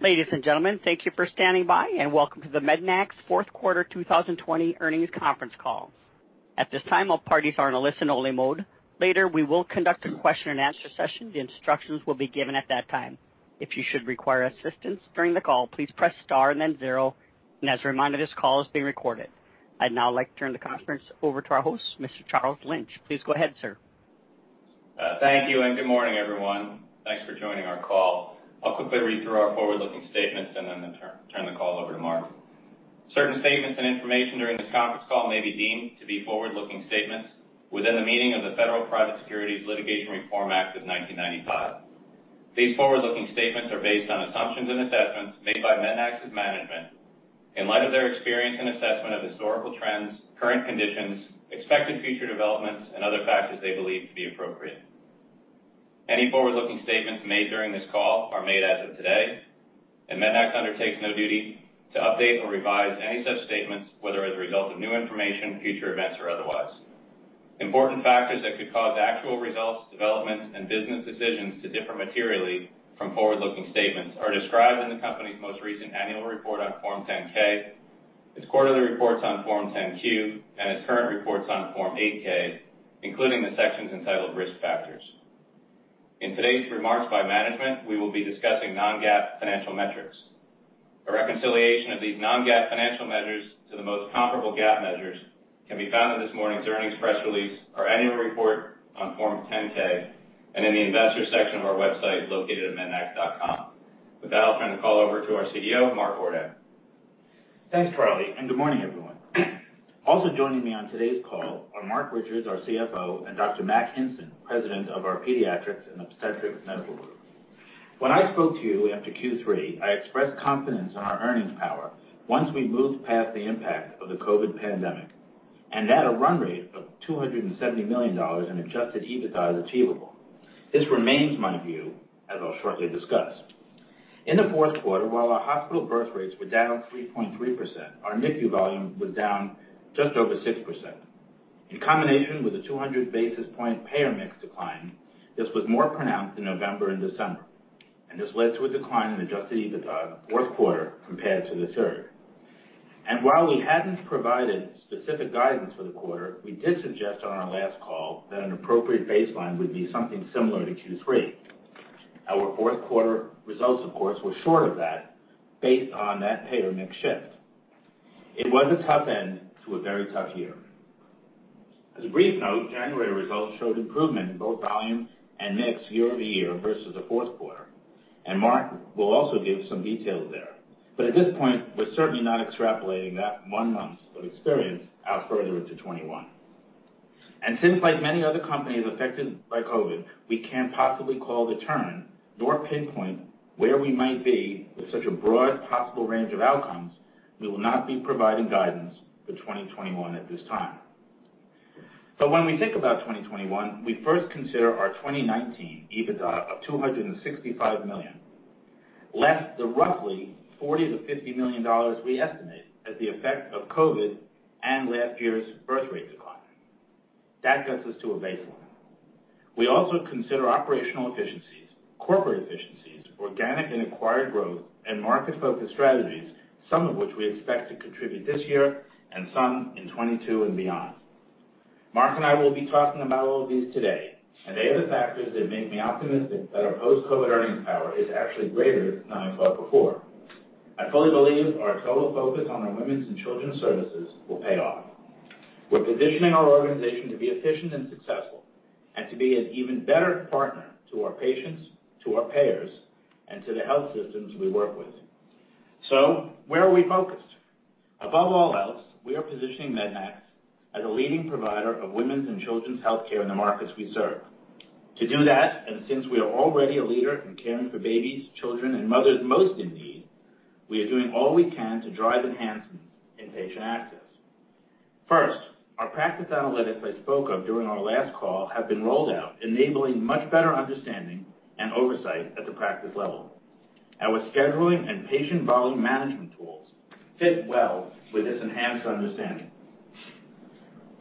Ladies and gentlemen, thank you for standing by, and welcome to the MEDNAX Fourth Quarter 2020 Earnings Conference Call. At this time, all parties are in a listen only mode. Later, we will conduct a question and answer session. The instructions will be given at that time. If you should require assistance during the call, please press star and then zero. As a reminder, this call is being recorded. I'd now like to turn the conference over to our host, Mr. Charles Lynch. Please go ahead, sir. Thank you. Good morning, everyone. Thanks for joining our call. I'll quickly read through our forward-looking statements and then turn the call over to Mark. Certain statements and information during this conference call may be deemed to be forward-looking statements within the meaning of the Federal Private Securities Litigation Reform Act of 1995. These forward-looking statements are based on assumptions and assessments made by MEDNAX's management in light of their experience and assessment of historical trends, current conditions, expected future developments, and other factors they believe to be appropriate. Any forward-looking statements made during this call are made as of today. MEDNAX undertakes no duty to update or revise any such statements, whether as a result of new information, future events, or otherwise. Important factors that could cause actual results, developments, and business decisions to differ materially from forward-looking statements are described in the company's most recent annual report on Form 10-K, its quarterly reports on Form 10-Q, and its current reports on Form 8-K, including the sections entitled Risk Factors. In today's remarks by management, we will be discussing non-GAAP financial metrics. A reconciliation of these non-GAAP financial measures to the most comparable GAAP measures can be found in this morning's earnings press release, our annual report on Form 10-K, and in the investor section of our website located at MEDNAX.com. With that, I'll turn the call over to our CEO, Mark Ordan. Thanks, Charles, and good morning, everyone. Also joining me on today's call are Marc Richards, our CFO, and Dr. Mack Hinson, President of our Pediatrix and Obstetrix Medical Group. When I spoke to you after Q3, I expressed confidence in our earnings power once we moved past the impact of the COVID pandemic, and that a run rate of $270 million in adjusted EBITDA is achievable. This remains my view, as I'll shortly discuss. In the fourth quarter, while our hospital birth rates were down 3.3%, our NICU volume was down just over 6%. In combination with a 200-basis-point payer mix decline, this was more pronounced in November and December, and this led to a decline in adjusted EBITDA in the fourth quarter compared to the third. While we hadn't provided specific guidance for the quarter, we did suggest on our last call that an appropriate baseline would be something similar to Q3. Our fourth quarter results, of course, were short of that based on that payer mix shift. It was a tough end to a very tough year. As a brief note, January results showed improvement in both volume and mix year-over-year versus the fourth quarter, and Marc will also give some details there. At this point, we're certainly not extrapolating that one month of experience out further into 2021. Since, like many other companies affected by COVID, we can't possibly call the turn nor pinpoint where we might be with such a broad possible range of outcomes, we will not be providing guidance for 2021 at this time. When we think about 2021, we first consider our 2019 EBITDA of $265 million, less the roughly $40 million-$50 million we estimate as the effect of COVID and last year's birth rate decline. That gets us to a baseline. We also consider operational efficiencies, corporate efficiencies, organic and acquired growth, and market-focused strategies, some of which we expect to contribute this year and some in 2022 and beyond. Marc and I will be talking about all of these today, and they are the factors that make me optimistic that our post-COVID earnings power is actually greater than I thought before. I fully believe our total focus on our women's and children's services will pay off. We're positioning our organization to be efficient and successful and to be an even better partner to our patients, to our payers, and to the health systems we work with. Where are we focused? Above all else, we are positioning MEDNAX as a leading provider of women's and children's healthcare in the markets we serve. To do that, and since we are already a leader in caring for babies, children, and mothers most in need, we are doing all we can to drive enhancements in patient access. First, our practice analytics I spoke of during our last call have been rolled out, enabling much better understanding and oversight at the practice level. Our scheduling and patient volume management tools fit well with this enhanced understanding.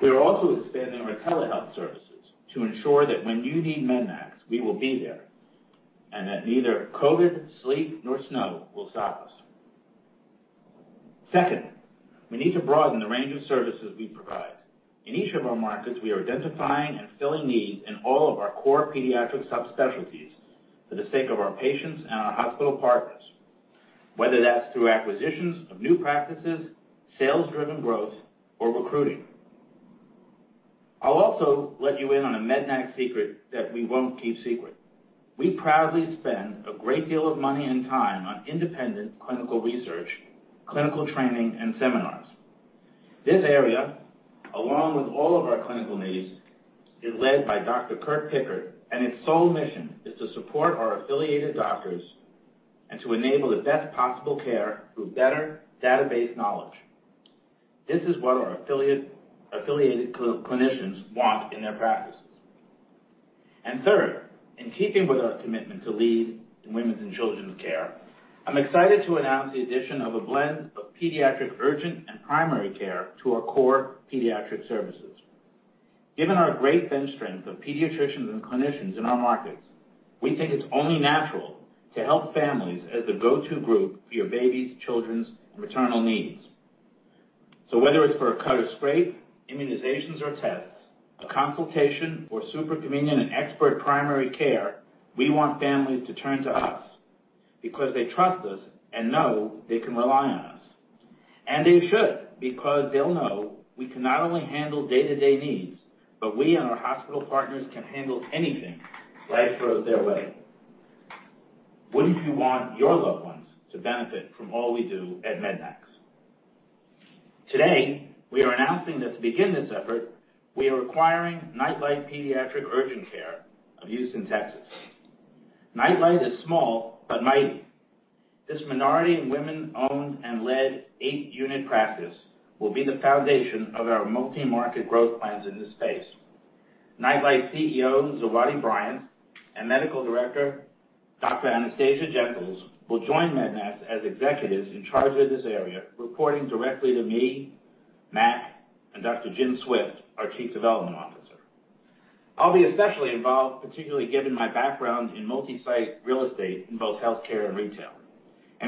We are also expanding our telehealth services to ensure that when you need MEDNAX, we will be there, and that neither COVID, sleet, nor snow will stop us. Second, we need to broaden the range of services we provide. In each of our markets, we are identifying and filling needs in all of our core pediatric subspecialties for the sake of our patients and our hospital partners, whether that's through acquisitions of new practices, sales-driven growth, or recruiting. I'll also let you in on a MEDNAX secret that we won't keep secret. We proudly spend a great deal of money and time on independent clinical research, clinical training, and seminars. This area, along with all of our clinical needs, is led by Dr. Curt Pickert, and its sole mission is to support our affiliated doctors and to enable the best possible care through better database knowledge. This is what our affiliated clinicians want in their practices. Third, in keeping with our commitment to lead in women's and children's care, I'm excited to announce the addition of a blend of pediatric urgent and primary care to our core pediatric services. Given our great bench strength of pediatricians and clinicians in our markets, we think it's only natural to help families as the go-to group for your babies, children's, and maternal needs. Whether it's for a cut or scrape, immunizations or tests, a consultation or super convenient and expert primary care, we want families to turn to us because they trust us and know they can rely on us. They should, because they'll know we can not only handle day-to-day needs, but we and our hospital partners can handle anything life throws their way. Wouldn't you want your loved ones to benefit from all we do at MEDNAX. Today, we are announcing that to begin this effort, we are acquiring NightLight Pediatric Urgent Care of Houston, Texas. NightLight is small but mighty. This minority and women-owned and led 8-unit practice will be the foundation of our multi-market growth plans in this space. NightLight CEO, Zawadi Bryant, and Medical Director, Dr. Anastasia Gentles, will join MEDNAX as executives in charge of this area, reporting directly to me, Mack, and Dr. James Swift, our Chief Development Officer. I'll be especially involved, particularly given my background in multi-site real estate in both healthcare and retail.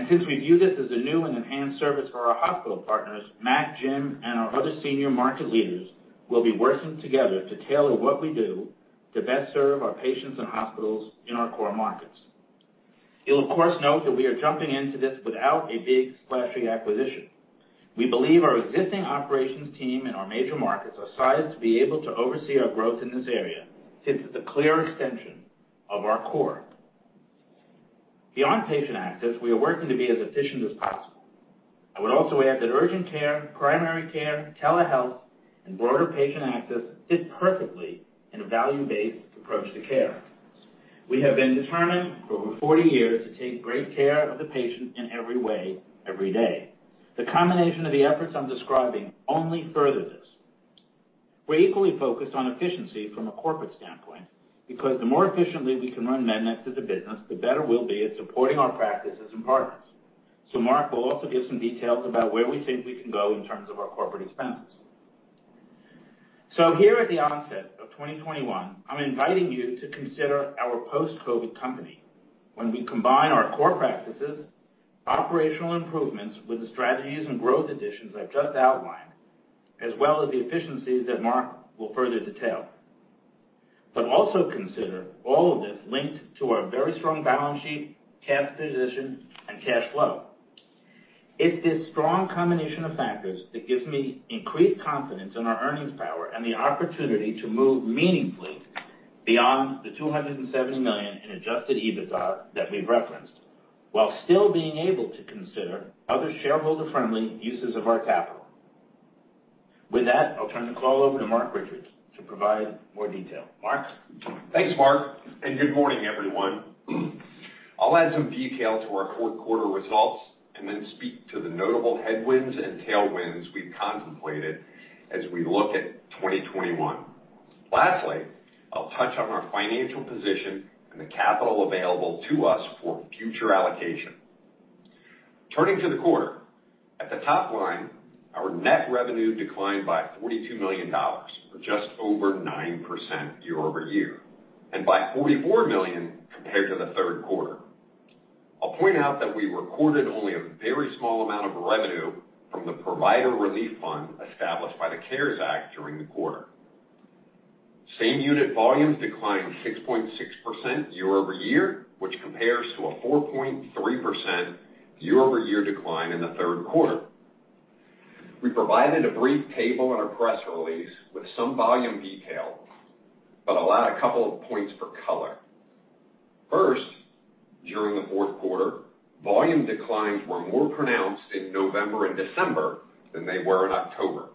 Since we view this as a new and enhanced service for our hospital partners, Mack, James, and our other senior market leaders will be working together to tailor what we do to best serve our patients and hospitals in our core markets. You'll of course note that we are jumping into this without a big splashy acquisition. We believe our existing operations team and our major markets are sized to be able to oversee our growth in this area, since it's a clear extension of our core. Beyond patient access, we are working to be as efficient as possible. I would also add that urgent care, primary care, telehealth, and broader patient access fit perfectly in a value-based approach to care. We have been determined for over 40 years to take great care of the patient in every way, every day. The combination of the efforts I'm describing only further this. We're equally focused on efficiency from a corporate standpoint, because the more efficiently we can run MEDNAX as a business, the better we'll be at supporting our practices and partners. Marc will also give some details about where we think we can go in terms of our corporate expenses. Here at the onset of 2021, I'm inviting you to consider our post-COVID company when we combine our core practices, operational improvements with the strategies and growth additions I've just outlined, as well as the efficiencies that Marc will further detail. Also consider all of this linked to our very strong balance sheet, cash position, and cash flow. It's this strong combination of factors that gives me increased confidence in our earnings power and the opportunity to move meaningfully beyond the $270 million in adjusted EBITDA that we've referenced, while still being able to consider other shareholder-friendly uses of our capital. With that, I'll turn the call over to Marc Richards to provide more detail. Marc? Thanks, Mark. Good morning, everyone. I'll add some detail to our fourth quarter results and then speak to the notable headwinds and tailwinds we've contemplated as we look at 2021. Lastly, I'll touch on our financial position and the capital available to us for future allocation. Turning to the quarter, at the top line, our net revenue declined by $42 million, or just over 9% year-over-year, and by $44 million compared to the third quarter. I'll point out that we recorded only a very small amount of revenue from the Provider Relief Fund established by the CARES Act during the quarter. Same unit volumes declined 6.6% year-over-year, which compares to a 4.3% year-over-year decline in the third quarter. We provided a brief table in our press release with some volume detail, but I'll add a couple of points for color. First, during the fourth quarter, volume declines were more pronounced in November and December than they were in October,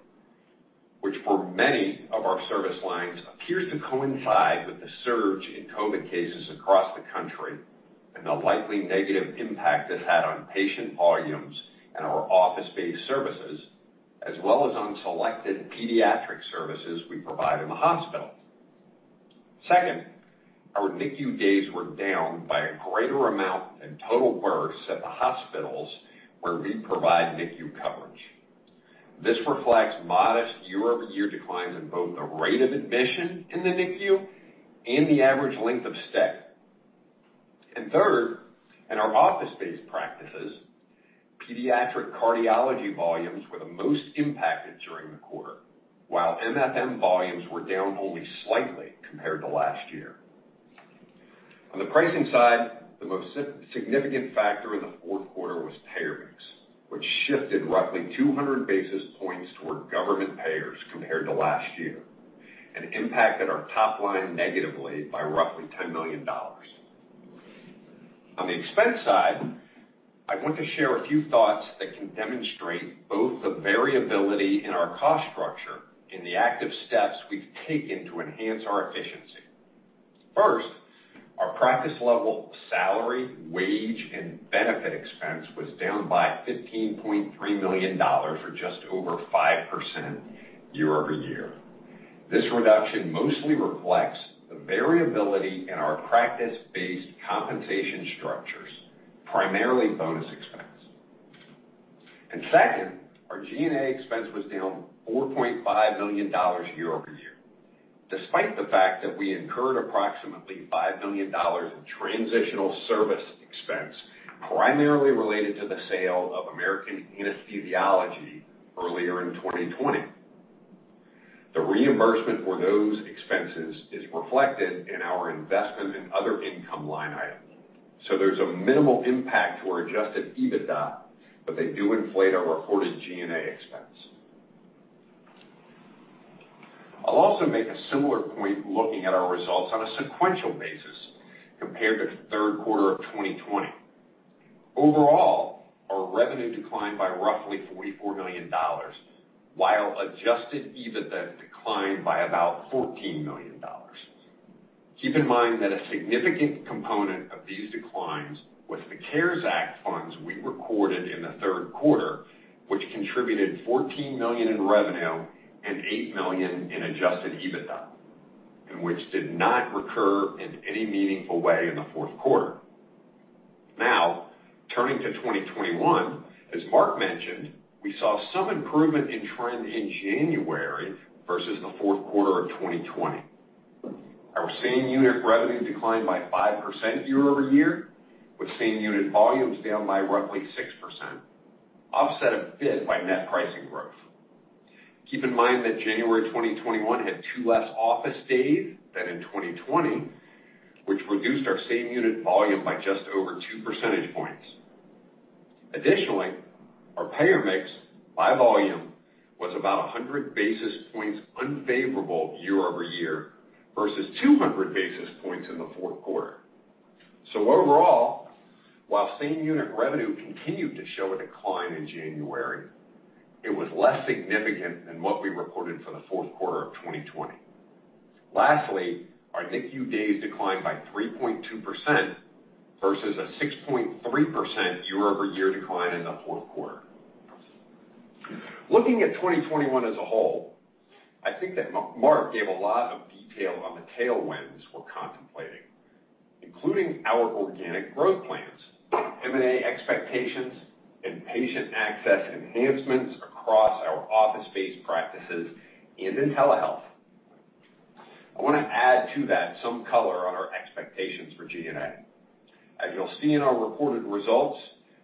which for many of our service lines, appears to coincide with the surge in COVID cases across the country and the likely negative impact it's had on patient volumes and our office-based services, as well as on selected pediatric services we provide in the hospital. Second, our NICU days were down by a greater amount than total births at the hospitals where we provide NICU coverage. This reflects modest year-over-year declines in both the rate of admission in the NICU and the average length of stay. Third, in our office-based practices, pediatric cardiology volumes were the most impacted during the quarter, while MFM volumes were down only slightly compared to last year. On the pricing side, the most significant factor in the fourth quarter was payer mix, which shifted roughly 200 basis points toward government payers compared to last year and impacted our top line negatively by roughly $10 million. On the expense side, I want to share a few thoughts that can demonstrate both the variability in our cost structure and the active steps we've taken to enhance our efficiency. First, our practice-level salary, wage, and benefit expense was down by $15.3 million, or just over 5% year-over-year. This reduction mostly reflects the variability in our practice-based compensation structures, primarily bonus expense. Second, our G&A expense was down $4.5 million year-over-year, despite the fact that we incurred approximately $5 million in transitional service expense, primarily related to the sale of American Anesthesiology earlier in 2020. The reimbursement for those expenses is reflected in our investment and other income line items. There's a minimal impact to our adjusted EBITDA, but they do inflate our reported G&A expense. I'll also make a similar point looking at our results on a sequential basis compared to the third quarter of 2020. Overall, our revenue declined by roughly $44 million, while adjusted EBITDA declined by about $14 million. Keep in mind that a significant component of these declines was the CARES Act funds we recorded in the third quarter, which contributed $14 million in revenue and $8 million in adjusted EBITDA, and which did not recur in any meaningful way in the fourth quarter. Turning to 2021, as Mark mentioned, we saw some improvement in trend in January versus the fourth quarter of 2020. Our same-unit revenue declined by 5% year-over-year, with same-unit volumes down by roughly 6%, offset a bit by net pricing growth. Keep in mind that January 2021 had two less office days than in 2020, which reduced our same-unit volume by just over two percentage points. Additionally, our payer mix by volume was about 100 basis points unfavorable year-over-year, versus 200 basis points in the fourth quarter. Overall, while same-unit revenue continued to show a decline in January, it was less significant than what we reported for the fourth quarter of 2020. Lastly, our NICU days declined by 3.2%, versus a 6.3% year-over-year decline in the fourth quarter. Looking at 2021 as a whole, I think that Mark gave a lot of detail on the tailwinds we're contemplating, including our organic growth plans, M&A expectations, and patient access enhancements across our office-based practices and in telehealth. I want to add to that some color on our expectations for G&A. As you'll see in our reported results,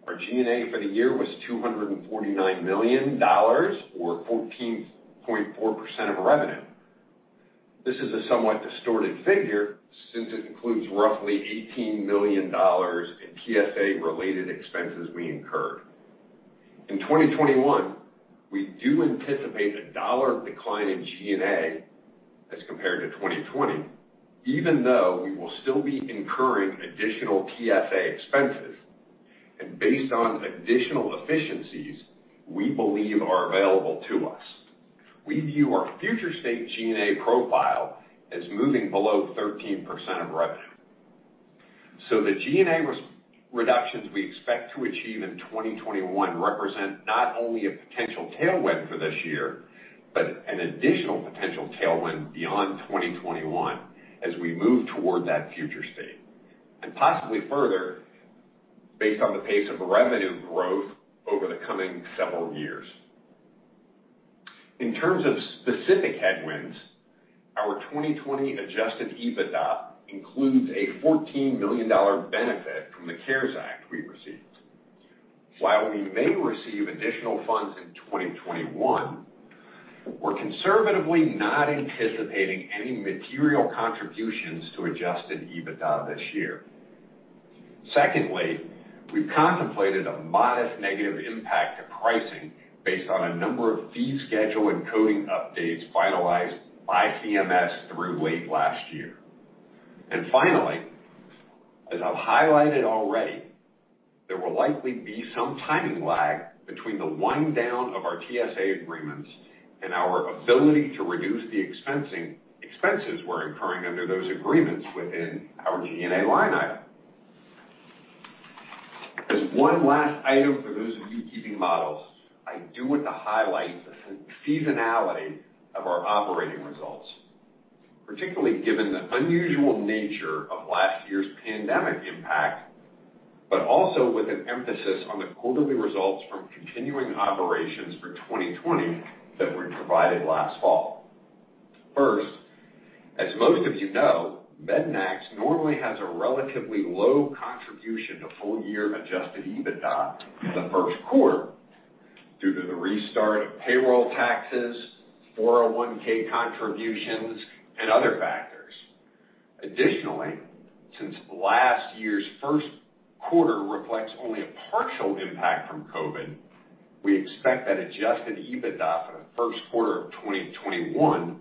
our G&A for the year was $249 million, or 14.4% of revenue. This is a somewhat distorted figure, since it includes roughly $18 million in TSA-related expenses we incurred. In 2021, we do anticipate a dollar decline in G&A as compared to 2020, even though we will still be incurring additional TSA expenses. Based on additional efficiencies we believe are available to us, we view our future state G&A profile as moving below 13% of revenue. The G&A reductions we expect to achieve in 2021 represent not only a potential tailwind for this year, but an additional potential tailwind beyond 2021 as we move toward that future state, and possibly further based on the pace of revenue growth over the coming several years. In terms of specific headwinds, our 2020 adjusted EBITDA includes a $14 million benefit from the CARES Act we received. While we may receive additional funds in 2021, we're conservatively not anticipating any material contributions to adjusted EBITDA this year. Secondly, we've contemplated a modest negative impact to pricing based on a number of fee schedule and coding updates finalized by CMS through late last year. Finally, as I've highlighted already, there will likely be some timing lag between the wind-down of our TSA agreements and our ability to reduce the expenses we're incurring under those agreements within our G&A line item. As one last item for those of you keeping models, I do want to highlight the seasonality of our operating results, particularly given the unusual nature of last year's pandemic impact, but also with an emphasis on the quarterly results from continuing operations for 2020 that were provided last fall. First, as most of you know, MEDNAX normally has a relatively low contribution to full-year adjusted EBITDA in the first quarter due to the restart of payroll taxes, 401(k) contributions, and other factors. Additionally, since last year's first quarter reflects only a partial impact from COVID, we expect that adjusted EBITDA for the first quarter of 2021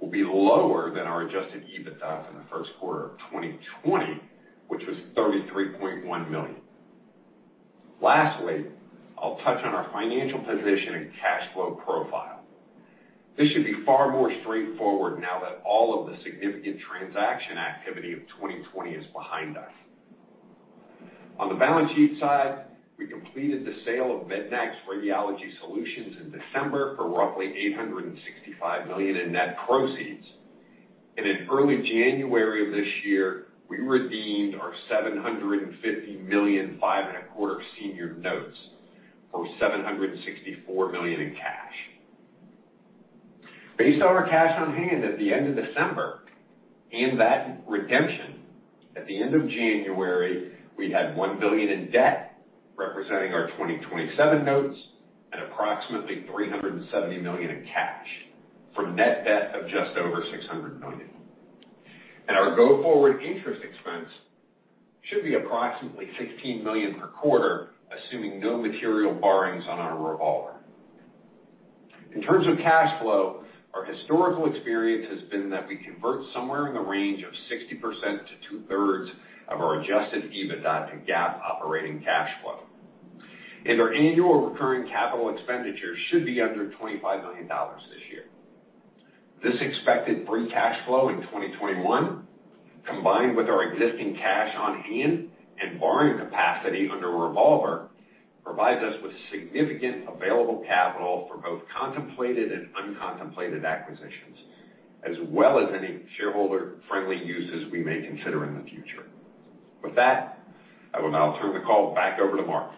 will be lower than our adjusted EBITDA from the first quarter of 2020, which was $33.1 million. Lastly, I'll touch on our financial position and cash flow profile. This should be far more straightforward now that all of the significant transaction activity of 2020 is behind us. On the balance sheet side, we completed the sale of MEDNAX Radiology Solutions in December for roughly $865 million in net proceeds. In early January of this year, we redeemed our $750 million five and a quarter senior notes for $764 million in cash. Based on our cash on hand at the end of December, and that redemption at the end of January, we had $1 billion in debt representing our 2027 notes and approximately $370 million in cash from net debt of just over $600 million. Our go-forward interest expense should be approximately $16 million per quarter, assuming no material borrowings on our revolver. In terms of cash flow, our historical experience has been that we convert somewhere in the range of 60% to 2/3 of our adjusted EBITDA to GAAP operating cash flow. Our annual recurring capital expenditures should be under $25 million this year. This expected free cash flow in 2021, combined with our existing cash on hand and borrowing capacity under revolver, provides us with significant available capital for both contemplated and uncontemplated acquisitions, as well as any shareholder-friendly uses we may consider in the future. With that, I will now turn the call back over to Mark.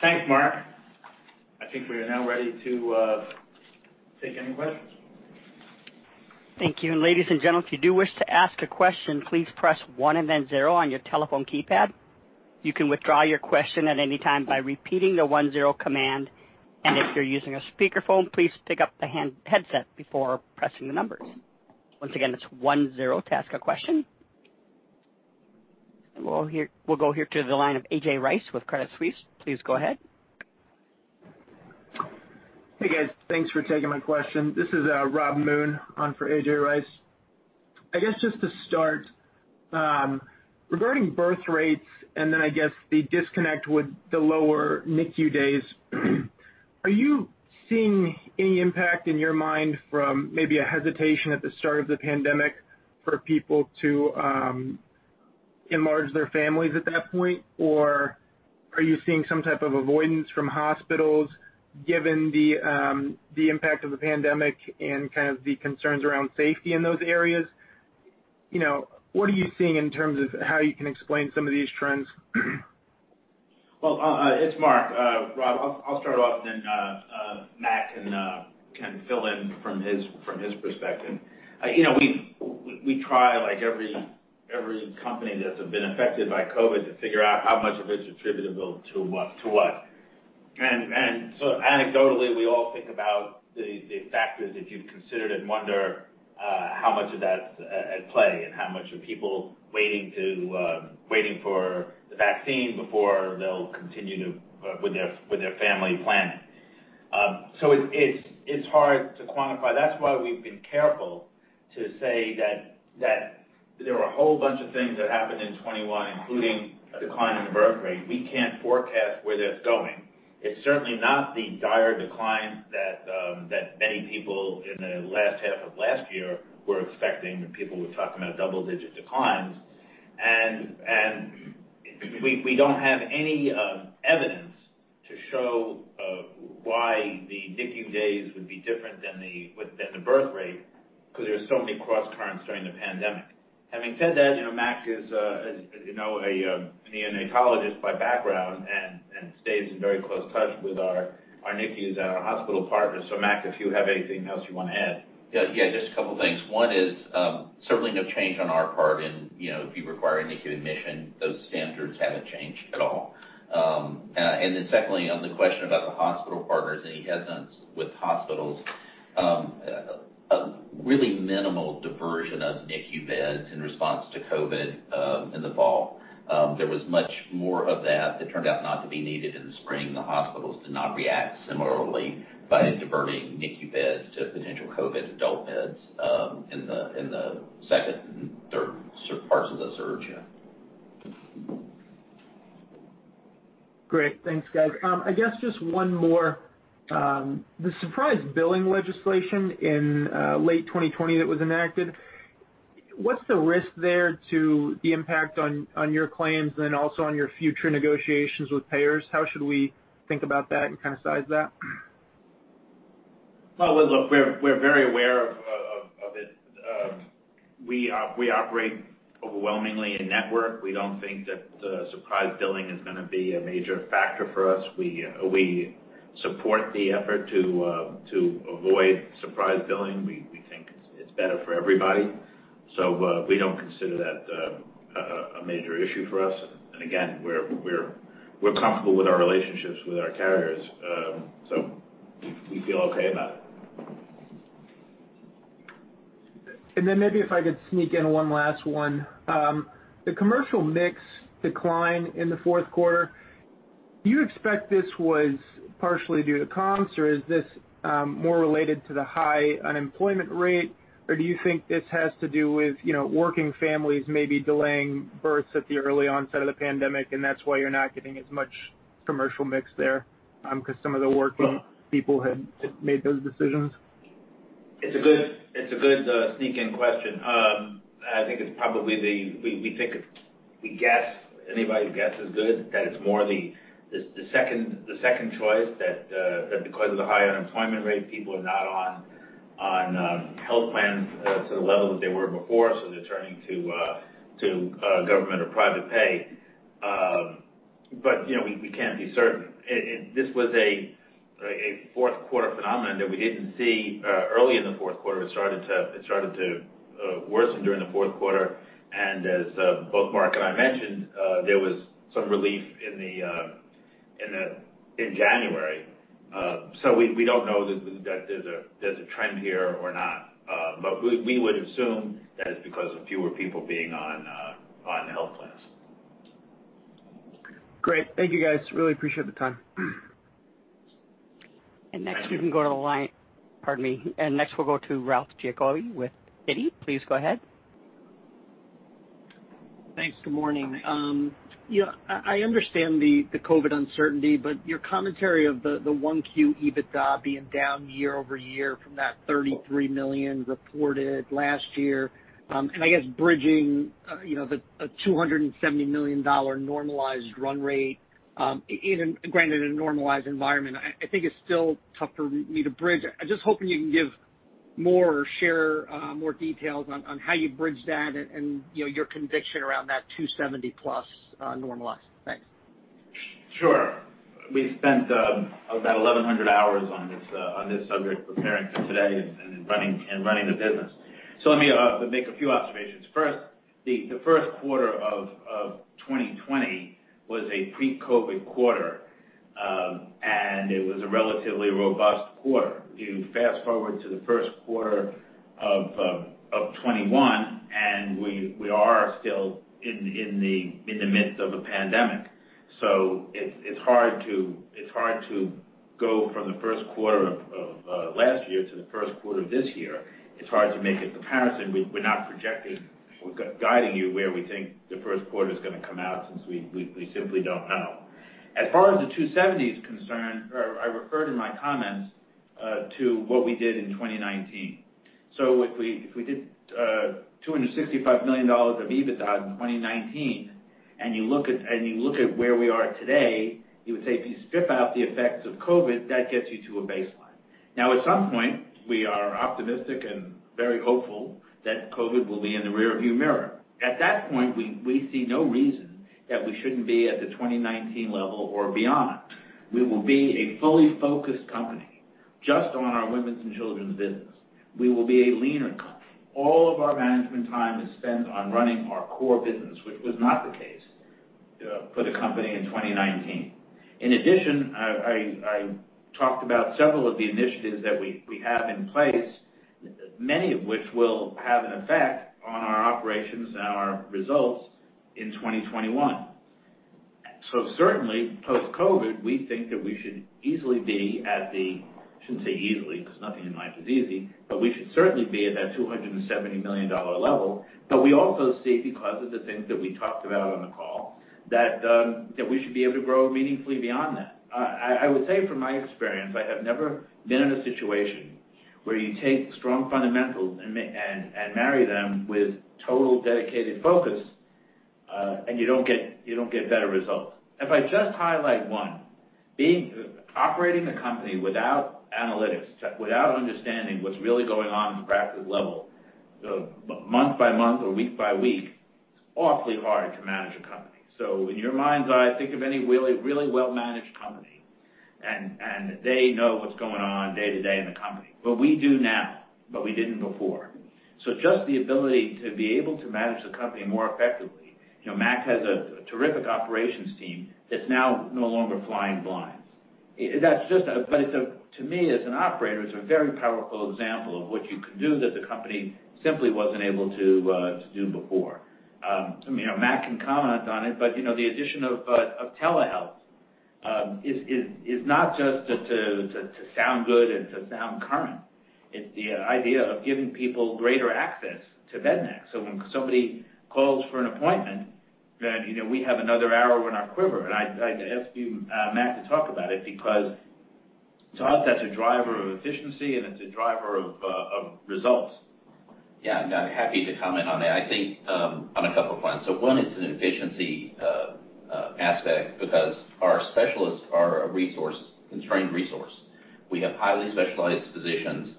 Thanks, Marc. I think we are now ready to take any questions. Thank you. Ladies and gentlemen, if you do wish to ask a question, please press one and then zero on your telephone keypad. You can withdraw your question at any time by repeating the one-zero command. If you're using a speakerphone, please pick up the headset before pressing the numbers. Once again, it's one-zero to ask a question. We'll go here to the line of A.J. Rice with Credit Suisse. Please go ahead. Hey, guys. Thanks for taking my question. This is Robert Moon on for A.J. Rice. I guess just to start, regarding birth rates and then I guess the disconnect with the lower NICU days, are you seeing any impact in your mind from maybe a hesitation at the start of the pandemic for people to enlarge their families at that point? Are you seeing some type of avoidance from hospitals given the impact of the pandemic and the concerns around safety in those areas? What are you seeing in terms of how you can explain some of these trends? Well, it's Mark. Rob, I'll start off, then Mack can fill in from his perspective. We try, like every company that's been affected by COVID, to figure out how much of it's attributable to what. Anecdotally, we all think about the factors that you've considered and wonder how much of that's at play and how much are people waiting for the vaccine before they'll continue with their family planning. It's hard to quantify. That's why we've been careful to say that there were a whole bunch of things that happened in 2021, including a decline in the birth rate. We can't forecast where that's going. It's certainly not the dire decline that many people in the last half of last year were expecting, when people were talking about double-digit declines. We don't have any evidence to show why the NICU days would be different than the birth rate, because there were so many cross-currents during the pandemic. Having said that, Mack is a neonatologist by background and stays in very close touch with our NICUs at our hospital partners. Mack, if you have anything else you want to add. Yeah, just a couple of things. One is certainly no change on our part in if you require a NICU admission, those standards haven't changed at all. Secondly, on the question about the hospital partners, any headwinds with hospitals, a really minimal diversion of NICU beds in response to COVID in the fall. There was much more of that that turned out not to be needed in the spring. The hospitals did not react similarly by diverting NICU beds to potential COVID adult beds in the second and third parts of the surge. Great. Thanks, guys. I guess just one more. The surprise billing legislation in late 2020 that was enacted, what's the risk there to the impact on your claims and also on your future negotiations with payers? How should we think about that and size that? Well, look, we're very aware of it. We operate overwhelmingly in-network. We don't think that surprise billing is going to be a major factor for us. We support the effort to avoid surprise billing. We think it's better for everybody. We don't consider that a major issue for us. Again, we're comfortable with our relationships with our carriers. We feel okay about it. Maybe if I could sneak in one last one. The commercial mix decline in the fourth quarter, do you expect this was partially due to comps, or is this more related to the high unemployment rate? Do you think this has to do with working families maybe delaying births at the early onset of the pandemic, and that's why you're not getting as much commercial mix there because some of the working people had made those decisions? It's a good sneak in question. I think it's probably the. We think, we guess, anybody's guess is good, that it's more the second choice, that because of the high unemployment rate, people are not on health plans to the level that they were before, so they're turning to government or private pay. We can't be certain. This was a fourth quarter phenomenon that we didn't see early in the fourth quarter. It started to worsen during the fourth quarter, and as both Marc and I mentioned, there was some relief in January. We don't know that there's a trend here or not. We would assume that it's because of fewer people being on health plans. Great. Thank you, guys. Really appreciate the time. Next we'll go to Ralph Giacobbe with Citi. Please go ahead. Thanks. Good morning. I understand the COVID uncertainty, but your commentary of the 1Q EBITDA being down year-over-year from that $33 million reported last year, and I guess bridging, the $270 million normalized run rate, granted in a normalized environment, I think it's still tough for me to bridge. I'm just hoping you can give more or share more details on how you bridge that and your conviction around that $270 million+ normalized. Thanks. Sure. We spent about 1,100 hours on this subject preparing for today and running the business. Let me make a few observations. First, the first quarter of 2020 was a pre-COVID quarter. It was a relatively robust quarter. You fast-forward to the first quarter of 2021, and we are still in the midst of a pandemic. It's hard to go from the first quarter of last year to the first quarter of this year. It's hard to make a comparison. We're not projecting or guiding you where we think the first quarter is going to come out, since we simply don't know. As far as the 270's concerned, I referred in my comments to what we did in 2019. If we did $265 million of EBITDA in 2019, and you look at where we are today, you would say if you strip out the effects of COVID, that gets you to a baseline. At some point, we are optimistic and very hopeful that COVID will be in the rear view mirror. At that point, we see no reason that we shouldn't be at the 2019 level or beyond. We will be a fully focused company just on our women's and children's business. We will be a leaner company. All of our management time is spent on running our core business, which was not the case for the company in 2019. In addition, I talked about several of the initiatives that we have in place, many of which will have an effect on our operations and our results in 2021. Certainly, post-COVID, we think that we should easily be at the I shouldn't say easily, because nothing in life is easy, but we should certainly be at that $270 million level. We also see, because of the things that we talked about on the call, that we should be able to grow meaningfully beyond that. I would say from my experience, I have never been in a situation where you take strong fundamentals and marry them with total dedicated focus, and you don't get better results. If I just highlight one, operating a company without analytics, without understanding what's really going on at the practice level, month by month or week by week, it's awfully hard to manage a company. In your mind's eye, think of any really well-managed company, and they know what's going on day to day in the company. Well, we do now, but we didn't before. Just the ability to be able to manage the company more effectively. Mack has a terrific operations team that's now no longer flying blind. To me, as an operator, it's a very powerful example of what you can do that the company simply wasn't able to do before. Mack can comment on it, the addition of telehealth is not just to sound good and to sound current. It's the idea of giving people greater access to Pediatrix. When somebody calls for an appointment, we have another arrow in our quiver, and I'd ask Mack to talk about it, because to us, that's a driver of efficiency, and it's a driver of results. Yeah. I'm happy to comment on that, I think on a couple fronts. One is an efficiency aspect, because our specialists are a constrained resource. We have highly specialized physicians.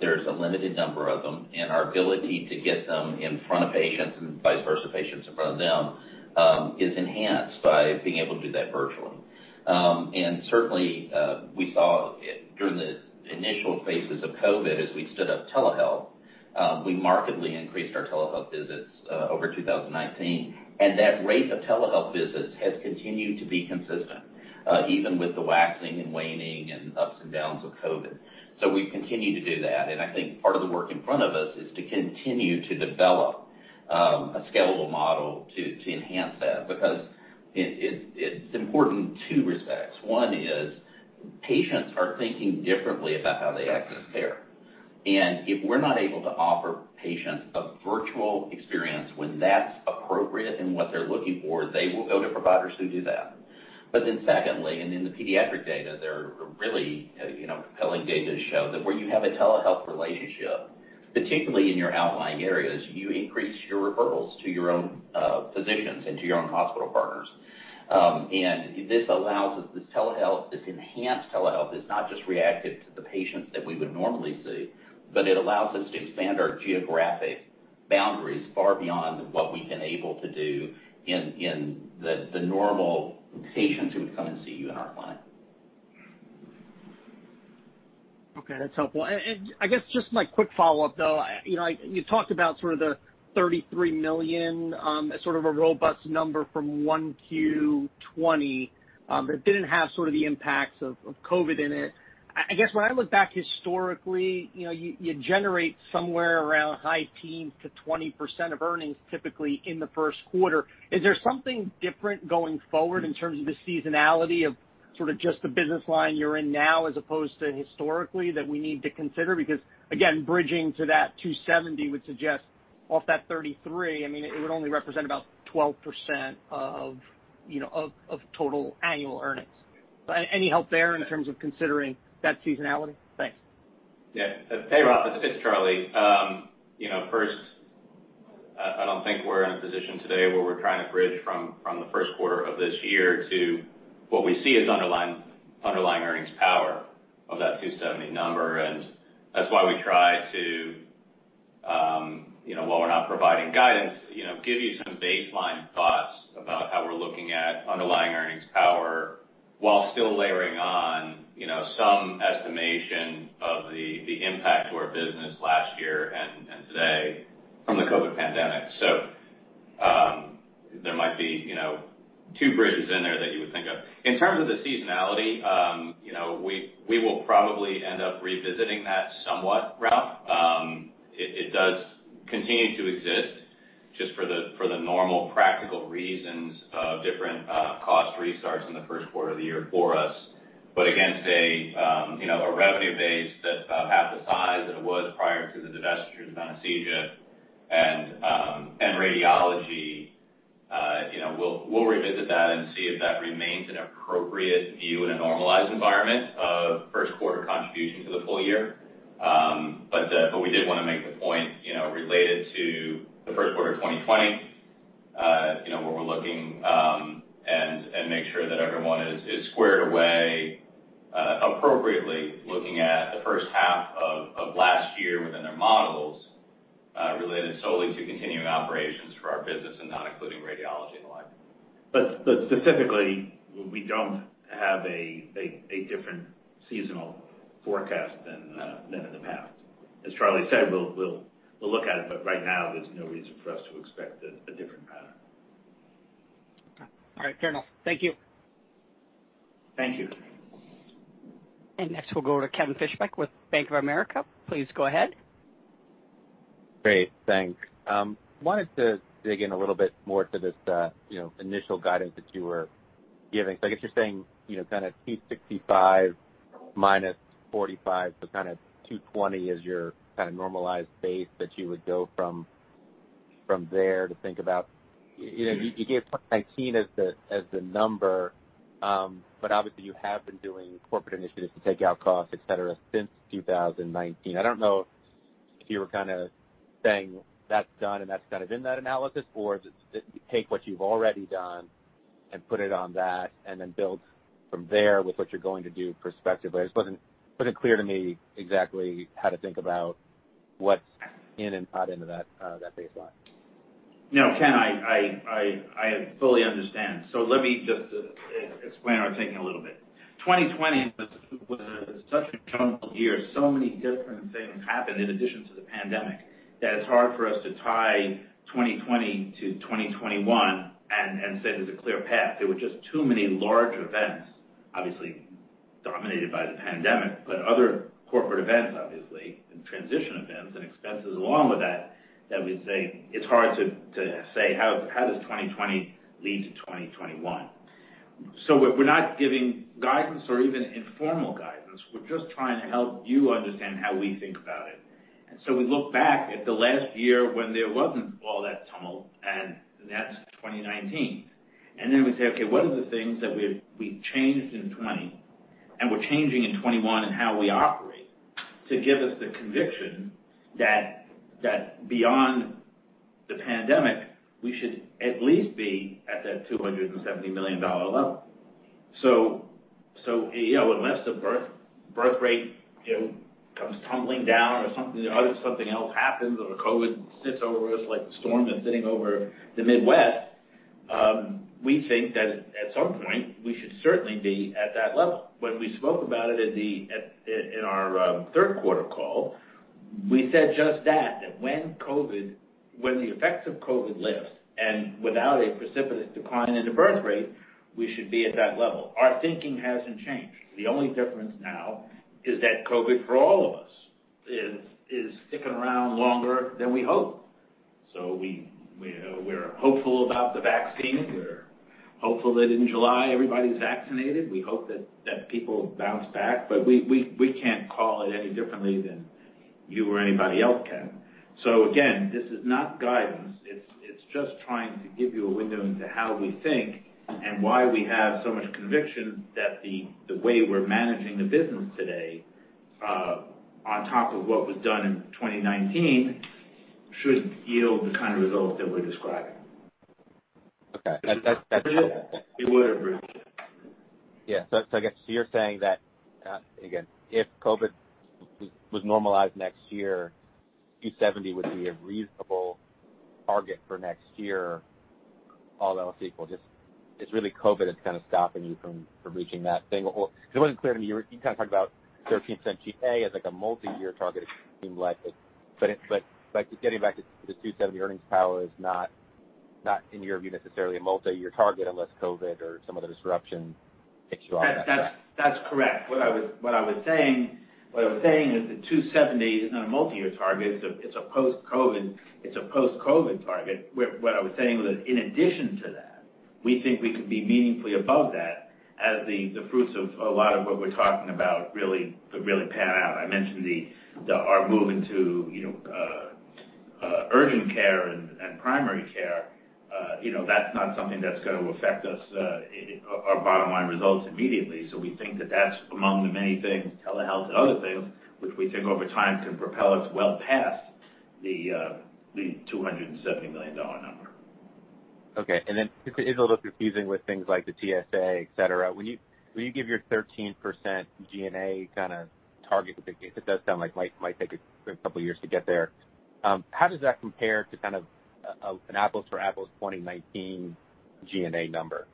There's a limited number of them, and our ability to get them in front of patients and vice versa, patients in front of them, is enhanced by being able to do that virtually. Certainly, we saw during the initial phases of COVID, as we stood up telehealth, we markedly increased our telehealth visits over 2019. That rate of telehealth visits has continued to be consistent, even with the waxing and waning and ups and downs of COVID. We've continued to do that, and I think part of the work in front of us is to continue to develop a scalable model to enhance that, because it's important in two respects. One is patients are thinking differently about how they access care. If we're not able to offer patients a virtual experience When that's appropriate and what they're looking for, they will go to providers who do that. Secondly, and in the pediatric data, there are really compelling data to show that where you have a telehealth relationship, particularly in your outlying areas, you increase your referrals to your own physicians and to your own hospital partners. This allows us, this enhanced telehealth, is not just reactive to the patients that we would normally see, but it allows us to expand our geographic boundaries far beyond what we've been able to do in the normal patients who would come and see you in our clinic. Okay, that's helpful. I guess just my quick follow-up, though, you talked about sort of the $33 million as sort of a robust number from Q1 2020, but it didn't have sort of the impacts of COVID in it. When I look back historically, you generate somewhere around high teens to 20% of earnings typically in the first quarter. Is there something different going forward in terms of the seasonality of sort of just the business line you're in now as opposed to historically that we need to consider? Again, bridging to that $270 million would suggest off that $33 million, I mean, it would only represent about 12% of total annual earnings. Any help there in terms of considering that seasonality? Thanks. Hey, Ralph, it's Charles. I don't think we're in a position today where we're trying to bridge from the first quarter of this year to what we see as underlying earnings power of that 270 number. That's why we try to, while we're not providing guidance, give you some baseline thoughts about how we're looking at underlying earnings power while still layering on some estimation of the impact to our business last year and today from the COVID pandemic. There might be two bridges in there that you would think of. In terms of the seasonality, we will probably end up revisiting that somewhat, Ralph. It does continue to exist just for the normal practical reasons of different cost restarts in the first quarter of the year for us. Against a revenue base that's about half the size that it was prior to the divestiture of anesthesia and radiology, we'll revisit that and see if that remains an appropriate view in a normalized environment of first quarter contribution to the full year. We did want to make the point related to the first quarter of 2020, where we're looking and make sure that everyone is squared away appropriately looking at the first half of last year within their models, related solely to continuing operations for our business and not including radiology and the like. Specifically, we don't have a different seasonal forecast than in the past. As Charles said, we'll look at it, but right now, there's no reason for us to expect a different pattern. Okay. All right, fair enough. Thank you. Thank you. Next we'll go to Kevin Fischbeck with Bank of America. Please go ahead. Great, thanks. Wanted to dig in a little bit more to this initial guidance that you were giving. I guess you're saying, kind of 265-45, so kind of 220 is your kind of normalized base that you would go from there to think about. You gave 2019 as the number, obviously you have been doing corporate initiatives to take out costs, et cetera, since 2019. I don't know if you were kind of saying that's done and that's kind of in that analysis, is it take what you've already done and put it on that, and then build from there with what you're going to do prospectively? It just wasn't clear to me exactly how to think about what's in and out into that baseline. No, Kevin, I fully understand. Let me just explain our thinking a little bit. 2020 was such a jumbled year. Many different things happened in addition to the pandemic, that it's hard for us to tie 2020 to 2021 and say there's a clear path. There were just too many large events, obviously dominated by the pandemic, but other corporate events, obviously, and transition events and expenses along with that we'd say it's hard to say how does 2020 lead to 2021. We're not giving guidance or even informal guidance. We're just trying to help you understand how we think about it. We look back at the last year when there wasn't all that tumult, and that's 2019. We say, okay, what are the things that we changed in 2020, and we're changing in 2021 in how we operate to give us the conviction that beyond the pandemic, we should at least be at that $270 million level. Unless the birth rate comes tumbling down or something else happens or COVID sits over us like the storm that's sitting over the Midwest, we think that at some point we should certainly be at that level. When we spoke about it in our third quarter call, we said just that when the effects of COVID lift and without a precipitous decline in the birth rate, we should be at that level. Our thinking hasn't changed. The only difference now is that COVID, for all of us, is sticking around longer than we hoped. We're hopeful about the vaccine. Hopeful that in July everybody's vaccinated. We hope that people bounce back, but we can't call it any differently than you or anybody else can. Again, this is not guidance. It's just trying to give you a window into how we think and why we have so much conviction that the way we're managing the business today, on top of what was done in 2019, should yield the kind of results that we're describing. Okay. Yeah. I guess you're saying that, again, if COVID was normalized next year, $270 million would be a reasonable target for next year, all else equal. Just, it's really COVID that's kind of stopping you from reaching that thing. Because it wasn't clear to me, you kind of talked about 13% G&A as like a multi-year target, it seemed like. Getting back to the $270 million earnings power is not in your view, necessarily a multi-year target unless COVID or some other disruption takes you off that track? That's correct. What I was saying is the $270 million is not a multi-year target, it's a post-COVID target. What I was saying was that in addition to that, we think we could be meaningfully above that as the fruits of a lot of what we're talking about really pan out. I mentioned our move into urgent care and primary care. That's not something that's going to affect our bottom line results immediately. We think that's among the many things, telehealth and other things, which we think over time can propel us well past the $270 million number. Okay, it's a little confusing with things like the TSA, et cetera. When you give your 13% G&A target, it does sound like it might take a couple years to get there. How does that compare to an apples for apples 2019 G&A number?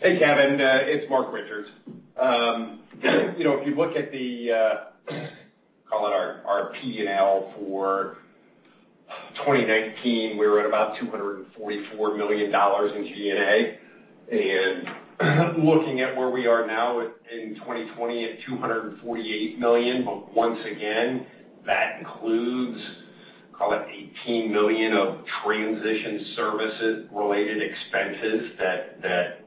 Hey, Kevin. It's Marc Richards. If you look at the, call it our P&L for 2019, we were at about $244 million in G&A. Looking at where we are now in 2020 at $249 million, once again, that includes, call it $18 million of transition services-related expenses that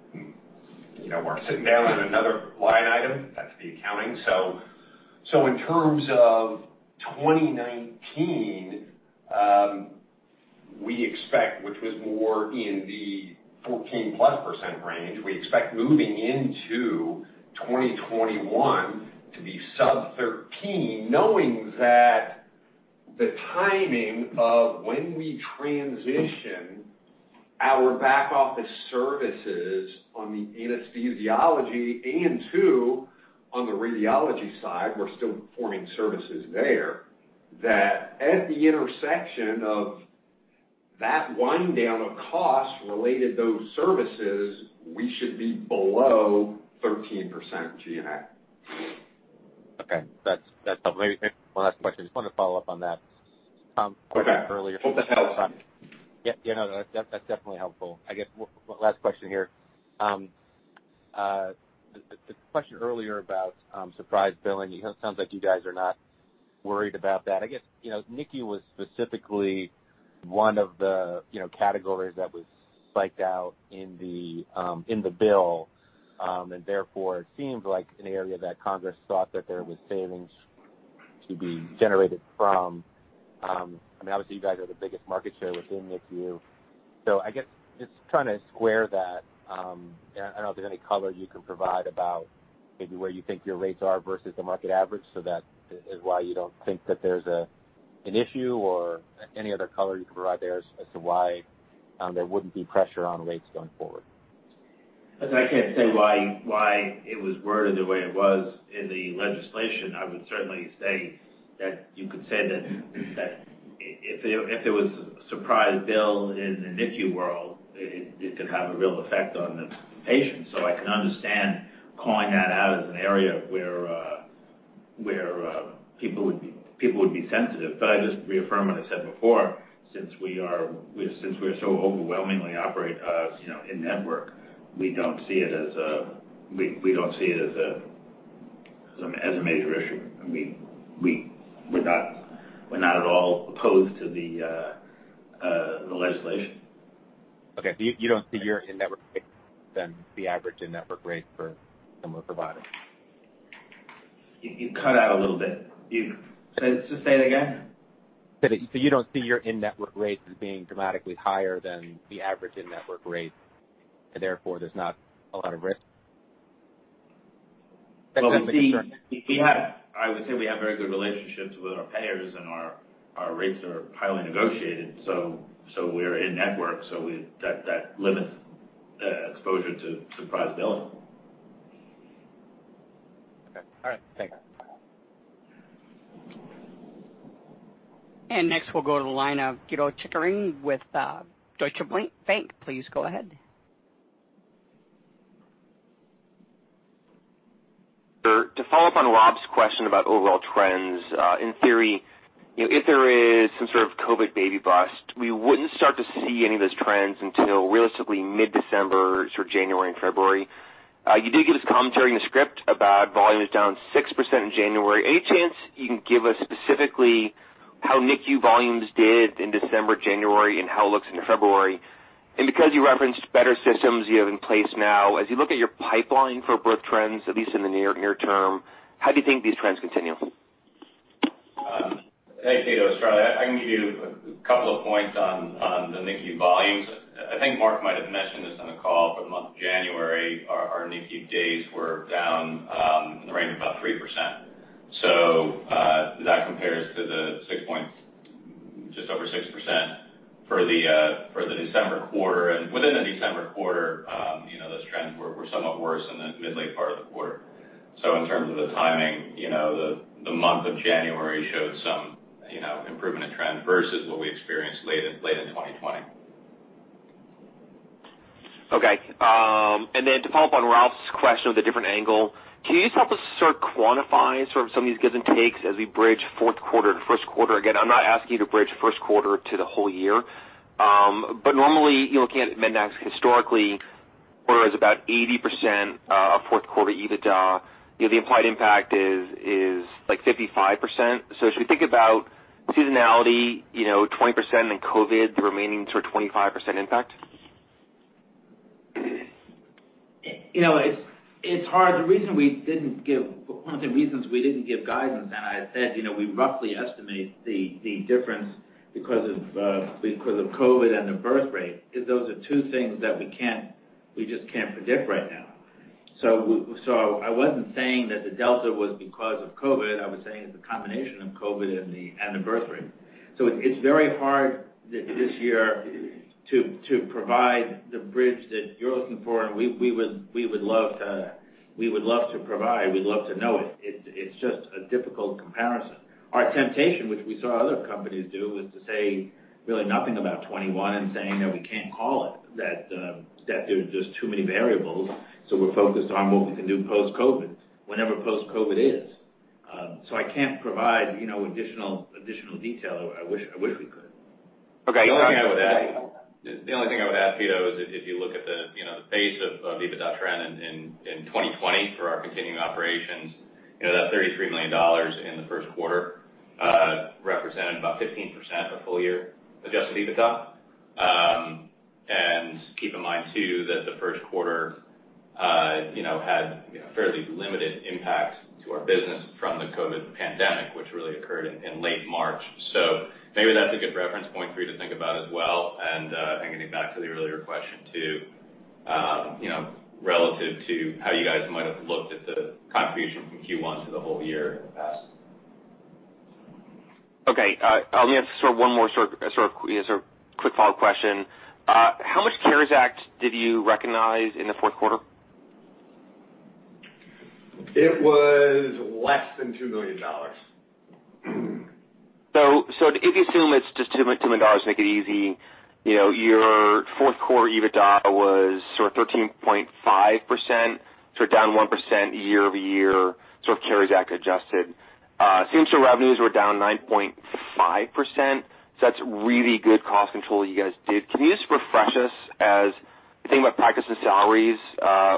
weren't sitting there on another line item. That's the accounting. In terms of 2019, which was more in the 14%+ range, we expect moving into 2021 to be sub 13%, knowing that the timing of when we transition our back office services on the anesthesiology and too, on the radiology side, we're still performing services there, that at the intersection of that wind down of cost related to those services, we should be below 13% G&A. Okay. That's helpful. Maybe one last question. Just wanted to follow up on that, Rob's question earlier. Okay. Hope that helps. Yeah. That's definitely helpful. I guess, last question here. The question earlier about surprise billing, it sounds like you guys are not worried about that. I guess, NICU was specifically one of the categories that was cited out in the bill, and therefore, it seemed like an area that Congress thought that there was savings to be generated from. You guys are the biggest market share within NICU. I guess just trying to square that, I don't know if there's any color you can provide about maybe where you think your rates are versus the market average, so that is why you don't think that there's an issue or any other color you can provide there as to why there wouldn't be pressure on rates going forward. I can't say why it was worded the way it was in the legislation. I would certainly say that you could say that if there was a surprise bill in the NICU world, it could have a real effect on the patient. I can understand calling that out as an area where people would be sensitive. I just reaffirm what I said before, since we so overwhelmingly operate in network, we don't see it as a major issue. We're not at all opposed to the legislation. Okay. You don't see your in-network rates as being dramatically higher than the average in-network rate for similar providers? You cut out a little bit. Just say it again. You don't see your in-network rates as being dramatically higher than the average in-network rate, and therefore, there's not a lot of risk? Well, I would say we have very good relationships with our payers and our rates are highly negotiated. We're in network, so that limits exposure to surprise billing. Okay. All right. Thanks. Next we'll go to the line of Pito Chickering with Deutsche Bank. Please go ahead. To follow up on Rob's question about overall trends, in theory, if there is some sort of COVID baby bust, we wouldn't start to see any of those trends until realistically mid-December, sort of January and February. You did give us commentary in the script about volumes down 6% in January. Any chance you can give us specifically how NICU volumes did in December, January, and how it looks into February? Because you referenced better systems you have in place now, as you look at your pipeline for birth trends, at least in the near term, how do you think these trends continue? Hey, Pito. It's Charles. I can give you a couple of points on the NICU volumes. I think Mark might have mentioned this on the call, but month of January, our NICU days were down in the range of about 3%. That compares to the just over 6% for the December quarter. Within the December quarter, those trends were somewhat worse in the mid-late part of the quarter. In terms of the timing, the month of January showed some improvement in trend versus what we experienced late in 2020. Okay. Then to follow up on Ralph's question with a different angle, can you just help us sort of quantify some of these gives and takes as we bridge fourth quarter to first quarter? Again, I'm not asking you to bridge first quarter to the whole year. Normally, looking at MEDNAX historically, quarter is about 80% of fourth quarter EBITDA. The implied impact is like 55%. As we think about seasonality, 20% in COVID, the remaining sort of 25% impact? It's hard. One of the reasons we didn't give guidance, and I said we roughly estimate the difference because of COVID and the birth rate, is those are two things that we just can't predict right now. I wasn't saying that the delta was because of COVID. I was saying it's a combination of COVID and the birth rate. It's very hard this year to provide the bridge that you're looking for, and we would love to provide. We'd love to know it. It's just a difficult comparison. Our temptation, which we saw other companies do, was to say really nothing about 2021 and saying that we can't call it, that there's just too many variables. We're focused on what we can do post-COVID, whenever post-COVID is. I can't provide additional detail. I wish we could. Okay. The only thing I would add, Pito, is if you look at the base of EBITDA trend in 2020 for our continuing operations, that $33 million in the first quarter represented about 15% of full year adjusted EBITDA. Keep in mind too, that the first quarter had fairly limited impact to our business from the COVID pandemic, which really occurred in late March. Maybe that's a good reference point for you to think about as well. I think getting back to the earlier question, too, relative to how you guys might have looked at the contribution from Q1 to the whole year in the past. Okay. Let me ask one more sort of quick follow-up question. How much CARES Act did you recognize in the fourth quarter? It was less than $2 million. If you assume it's just $2 million to make it easy, your fourth quarter EBITDA was sort of 13.5%, so down 1% year-over-year, sort of CARES Act adjusted. Seem your revenues were down 9.5%, so that's really good cost control you guys did. Can you just refresh us as you think about practice and salaries,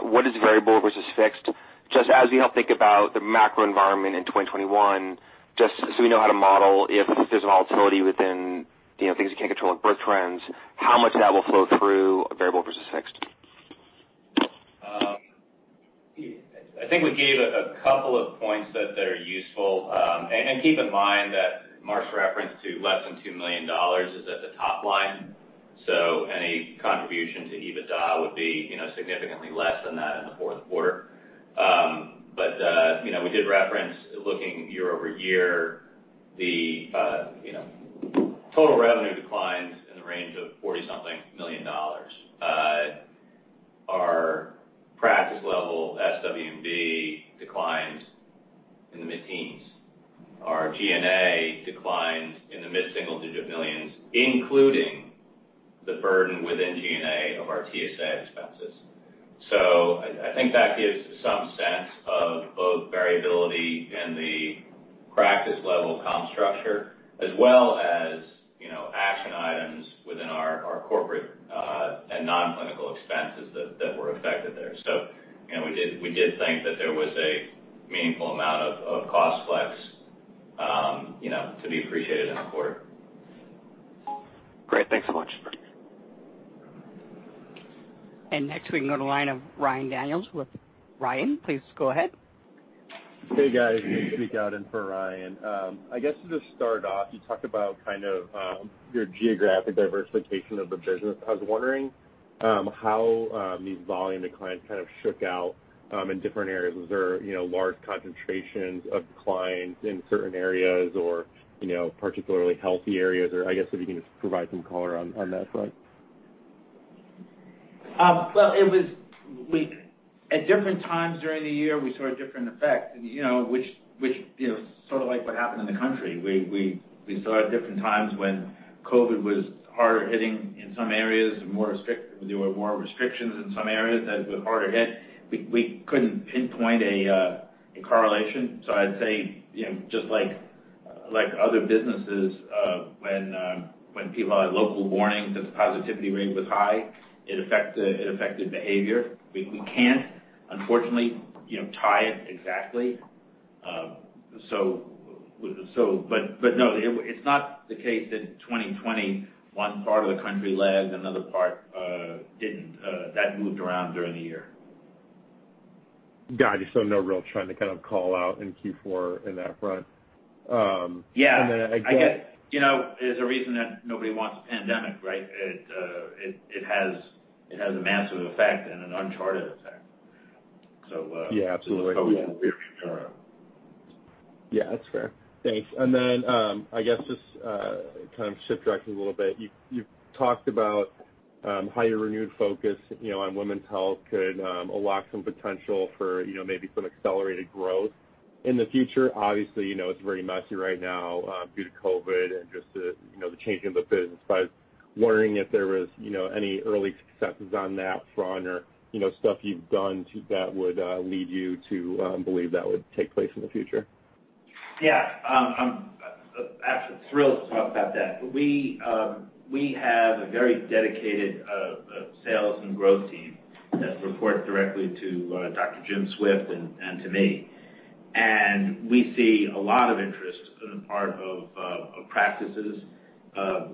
what is variable versus fixed? As we help think about the macro environment in 2021, just so we know how to model if there's volatility within things you can't control like birth trends, how much that will flow through variable versus fixed. I think we gave a couple of points that are useful. Keep in mind that Marc's reference to less than $2 million is at the top line. Any contribution to EBITDA would be significantly less than that in the fourth quarter. We did reference looking year-over-year, the total revenue declines in the range of $40 something million dollars. Our practice level SWB declined in the mid-teens. Our G&A declined in the mid-single digit millions, including the burden within G&A of our TSA expenses. I think that gives some sense of both variability in the practice level comp structure as well as action items within our corporate and non-clinical expenses that were affected there. We did think that there was a meaningful amount of cost flex to be appreciated in the quarter. Great. Thanks so much. Next we can go to the line of Ryan Daniels with Goldman Sachs. Ryan, please go ahead. Hey, guys. It's Nick Spiekhout for Ryan. I guess to just start off, you talked about kind of your geographic diversification of the business. I was wondering how these volume declines kind of shook out in different areas. Was there large concentrations of declines in certain areas or particularly healthy areas or I guess if you can just provide some color on that front? Well, at different times during the year, we saw different effects, which sort of like what happened in the country. We saw at different times when COVID was harder hitting in some areas and there were more restrictions in some areas that were harder hit. We couldn't pinpoint a correlation. I'd say just like other businesses, when people had local warnings that the positivity rate was high, it affected behavior. We can't, unfortunately, tie it exactly. No, it's not the case that 2020, one part of the country lagged, another part didn't. That moved around during the year. Got you. No real trying to call out in Q4 in that front. Yeah. And then I guess- There's a reason that nobody wants a pandemic, right? It has a massive effect and an uncharted effect. Yeah, absolutely. COVID around. Yeah, that's fair. Thanks. I guess just kind of shift direction a little bit. You've talked about how your renewed focus on women's health could unlock some potential for maybe some accelerated growth in the future. Obviously, it's very messy right now due to COVID and just the changing of the business. I was wondering if there was any early successes on that front or stuff you've done that would lead you to believe that would take place in the future. Yeah. I'm thrilled to talk about that. We have a very dedicated sales and growth team that report directly to Dr. James Swift and to me. We see a lot of interest on the part of practices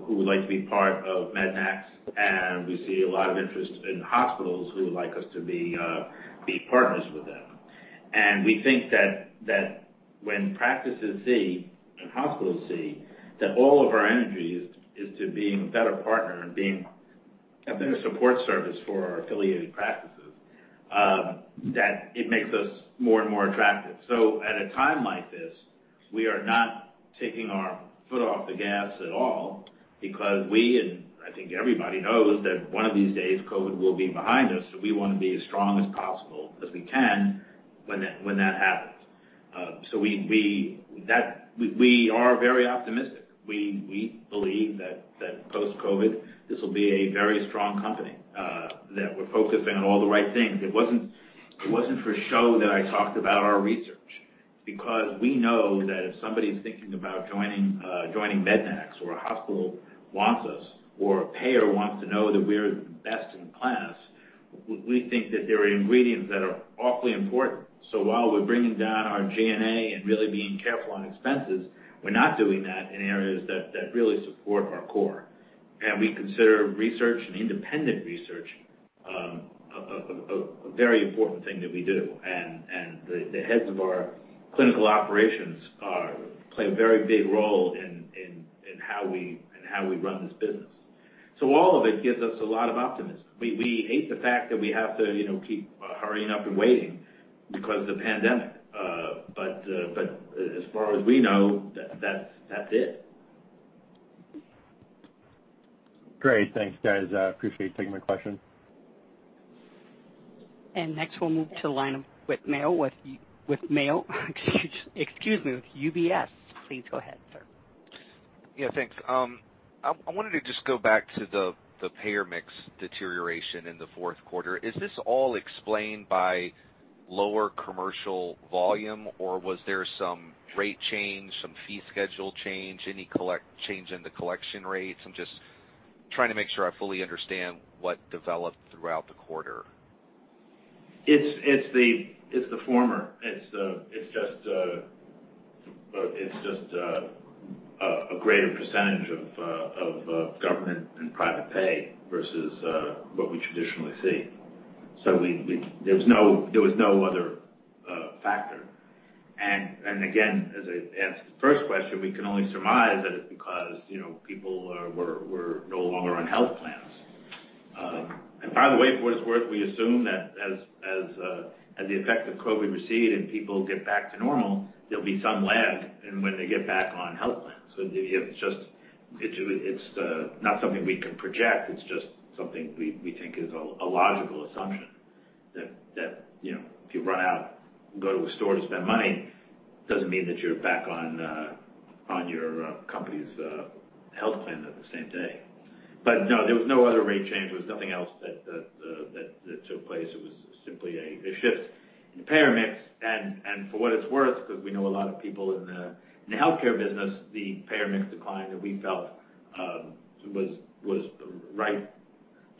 who would like to be part of MEDNAX, and we see a lot of interest in hospitals who would like us to be partners with them. We think that when practices see, and hospitals see, that all of our energy is to being a better partner and being a better support service for our affiliated practices, that it makes us more and more attractive. At a time like this, we are not taking our foot off the gas at all because we, and I think everybody knows that one of these days COVID will be behind us, so we want to be as strong as possible as we can when that happens. We are very optimistic. We believe that post-COVID, this will be a very strong company, that we're focusing on all the right things. It wasn't for show that I talked about our research, because we know that if somebody's thinking about joining MEDNAX or a hospital wants us or a payer wants to know that we're best in class, we think that there are ingredients that are awfully important. While we're bringing down our G&A and really being careful on expenses, we're not doing that in areas that really support our core. We consider research and independent research, a very important thing that we do. The heads of our clinical operations play a very big role in how we run this business. All of it gives us a lot of optimism. We hate the fact that we have to keep hurrying up and waiting because of the pandemic. As far as we know, that's it. Great. Thanks, guys. I appreciate you taking my question. Next, we'll move to the line Whit Mayo, with UBS. Please go ahead, sir. Yeah, thanks. I wanted to just go back to the payer mix deterioration in the fourth quarter. Is this all explained by lower commercial volume, or was there some rate change, some fee schedule change, any change in the collection rates? I'm just trying to make sure I fully understand what developed throughout the quarter. It's the former. It's just a greater percentage of government and private pay versus what we traditionally see. There was no other factor. Again, as I answered the first question, we can only surmise that it's because people were no longer on health plans. By the way, for what it's worth, we assume that as the effects of COVID recede and people get back to normal, there'll be some lag in when they get back on health plans. It's not something we can project, it's just something we think is a logical assumption that if you run out and go to a store to spend money, doesn't mean that you're back on your company's health plan the same day. No, there was no other rate change. There was nothing else that took place. It was simply a shift in the payer mix. For what it's worth, because we know a lot of people in the healthcare business, the payer mix decline that we felt was right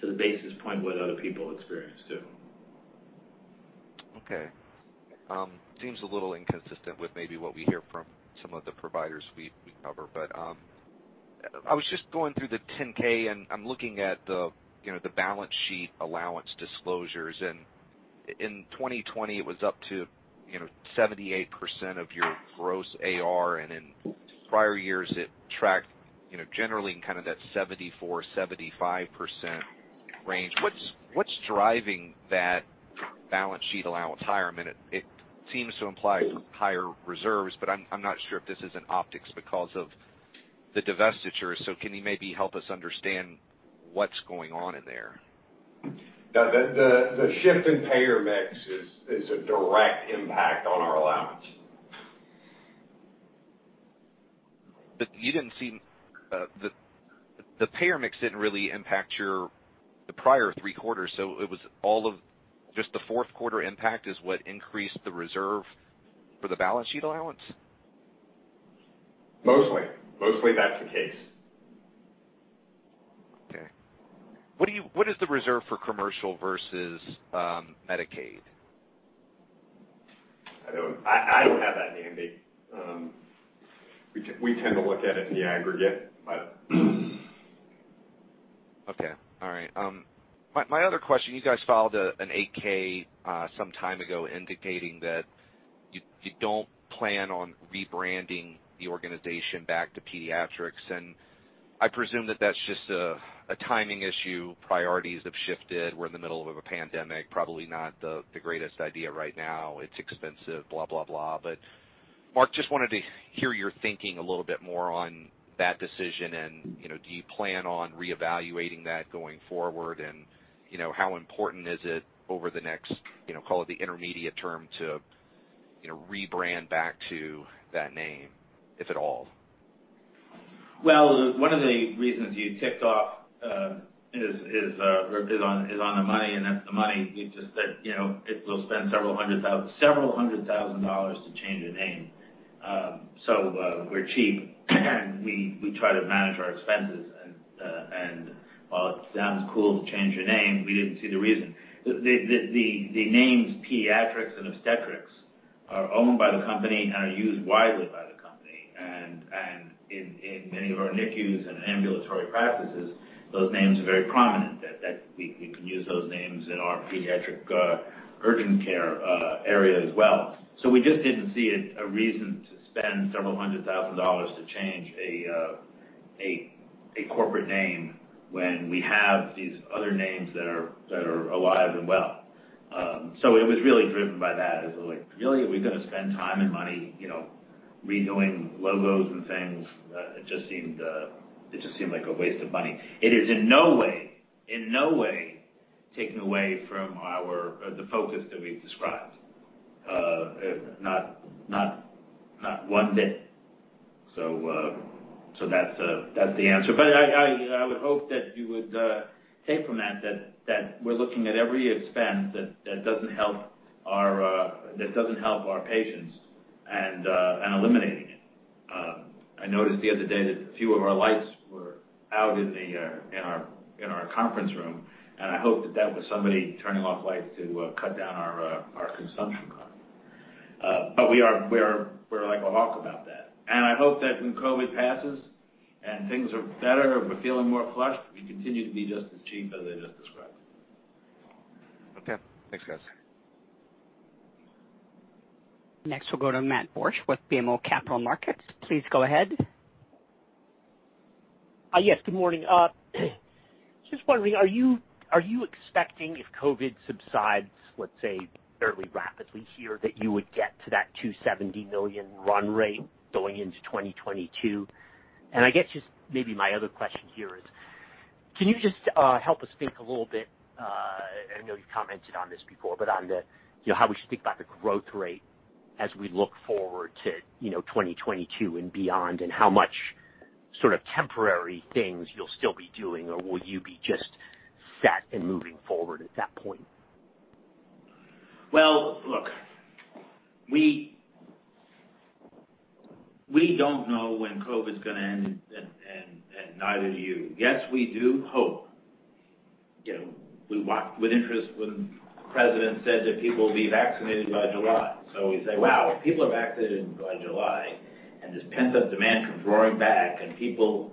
to the basis point what other people experienced, too. Okay. Seems a little inconsistent with maybe what we hear from some of the providers we cover. I was just going through the 10-K, and I'm looking at the balance sheet allowance disclosures. In 2020, it was up to 78% of your gross AR, and in prior years, it tracked generally in kind of that 74%, 75% range. What's driving that balance sheet allowance higher? I mean, it seems to imply higher reserves, but I'm not sure if this is in optics because of the divestiture. Can you maybe help us understand what's going on in there? The shift in payer mix is a direct impact on our allowance. The payer mix didn't really impact the prior three quarters, so it was all of just the fourth quarter impact is what increased the reserve for the balance sheet allowance? Mostly. Mostly that's the case. Okay. What is the reserve for commercial versus Medicaid? I don't have that handy. We tend to look at it in the aggregate. Okay. All right. My other question, you guys filed an 8-K some time ago indicating that you don't plan on rebranding the organization back to Pediatrix, and I presume that that's just a timing issue. Priorities have shifted. We're in the middle of a pandemic, probably not the greatest idea right now. It's expensive, blah, blah. Mark, just wanted to hear your thinking a little bit more on that decision and do you plan on reevaluating that going forward? How important is it over the next, call it the intermediate term to rebrand back to that name, if at all? One of the reasons you ticked off is on the money, and that's the money. We just said, it will spend several hundred thousand dollars to change a name. We're cheap and we try to manage our expenses. While it sounds cool to change your name, we didn't see the reason. The names Pediatrix and Obstetrix are owned by the company and are used widely by the company. In many of our NICUs and ambulatory practices, those names are very prominent that we can use those names in our pediatric urgent care area as well. We just didn't see a reason to spend several hundred thousand dollars to change a corporate name when we have these other names that are alive and well. It was really driven by that as like, really? Are we going to spend time and money redoing logos and things? It just seemed like a waste of money. It is in no way taking away from the focus that we've described. Not one bit. That's the answer. I would hope that you would take from that we're looking at every expense that doesn't help our patients and eliminating it. I noticed the other day that a few of our lights were out in our conference room, and I hope that that was somebody turning off lights to cut down our consumption cost. We're like a hawk about that. I hope that when COVID passes and things are better, we're feeling more flush, we continue to be just as cheap as I just described. Okay, thanks guys. Next, we'll go to Matt Borsch with BMO Capital Markets. Please go ahead. Yes, good morning. Just wondering, are you expecting if COVID subsides, let's say fairly rapidly here, that you would get to that $270 million run rate going into 2022? I guess just maybe my other question here is, can you just help us think a little bit, I know you've commented on this before, but on how we should think about the growth rate as we look forward to 2022 and beyond, and how much sort of temporary things you'll still be doing, or will you be just set and moving forward at that point? Well, look, we don't know when COVID's going to end, and neither do you. Yes, we do hope. We watched with interest when the president said that people will be vaccinated by July. We say, "Wow, if people are vaccinated by July and this pent-up demand comes roaring back and people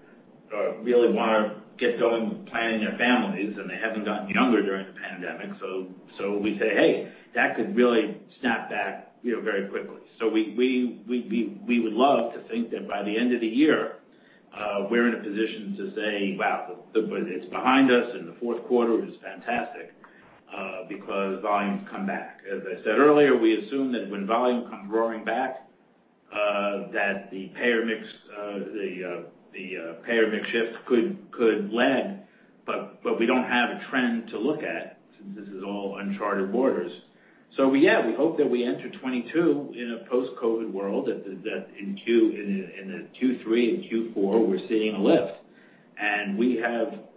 really want to get going with planning their families, and they haven't gotten younger during the pandemic." We say, "Hey, that could really snap back very quickly." We would love to think that by the end of the year, we're in a position to say, "Wow, it's behind us, and the fourth quarter is fantastic," because volumes come back. As I said earlier, we assume that when volume comes roaring back, that the payer mix shift could lag, but we don't have a trend to look at since this is all uncharted waters. Yeah, we hope that we enter 2022 in a post-COVID world that in Q3 and Q4, we're seeing a lift.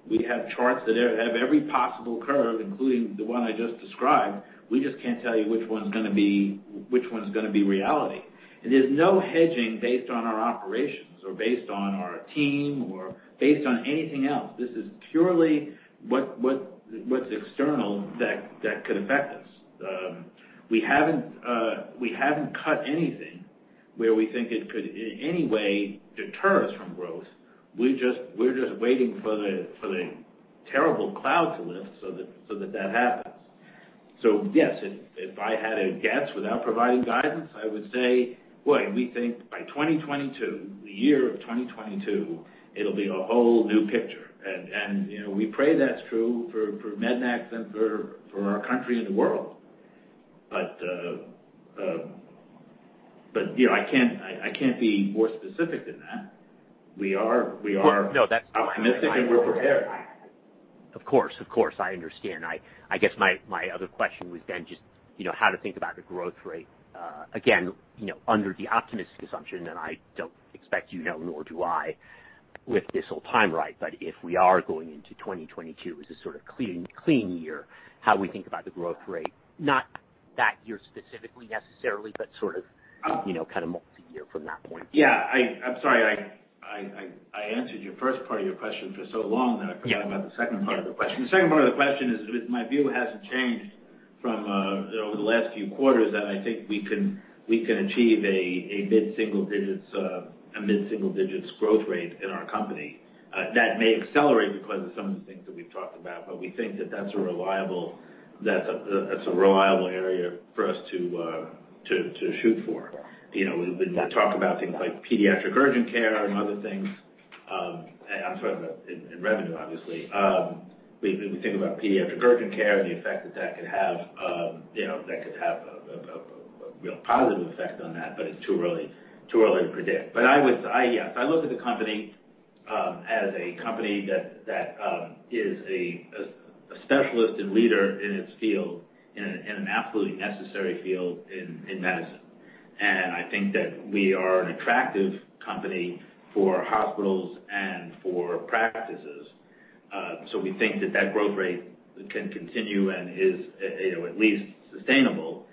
We have charts that have every possible curve, including the one I just described. We just can't tell you which one's going to be reality. There's no hedging based on our operations or based on our team or based on anything else. This is purely what's external that could affect us. We haven't cut anything where we think it could in any way deter us from growth. We're just waiting for the terrible cloud to lift so that that happens. Yes, if I had a guess without providing guidance, I would say, boy, we think by 2022, the year of 2022, it'll be a whole new picture. We pray that's true for MEDNAX and for our country and the world. I can't be more specific than that. No, that's- optimistic and we're prepared. Of course. I understand. I guess my other question was then just how to think about the growth rate. Again, under the optimistic assumption, and I don't expect you to know, nor do I, with this whole timeline, but if we are going into 2022 as a sort of clean year, how we think about the growth rate, not that year specifically, necessarily, but sort of multi-year from that point. Yeah. I'm sorry, I answered your first part of your question for so long that I forgot about the second part of the question. The second part of the question is, my view hasn't changed from over the last few quarters, that I think we can achieve a mid-single digits growth rate in our company. That may accelerate because of some of the things that we've talked about, but we think that that's a reliable area for us to shoot for. Yeah. We talk about things like pediatric urgent care and other things, I'm talking about in revenue, obviously. We think about pediatric urgent care and the effect that that could have a real positive effect on that, but it's too early to predict. I look at the company as a company that is a specialist and leader in its field, in an absolutely necessary field in medicine. I think that we are an attractive company for hospitals and for practices. We think that that growth rate can continue and is at least sustainable.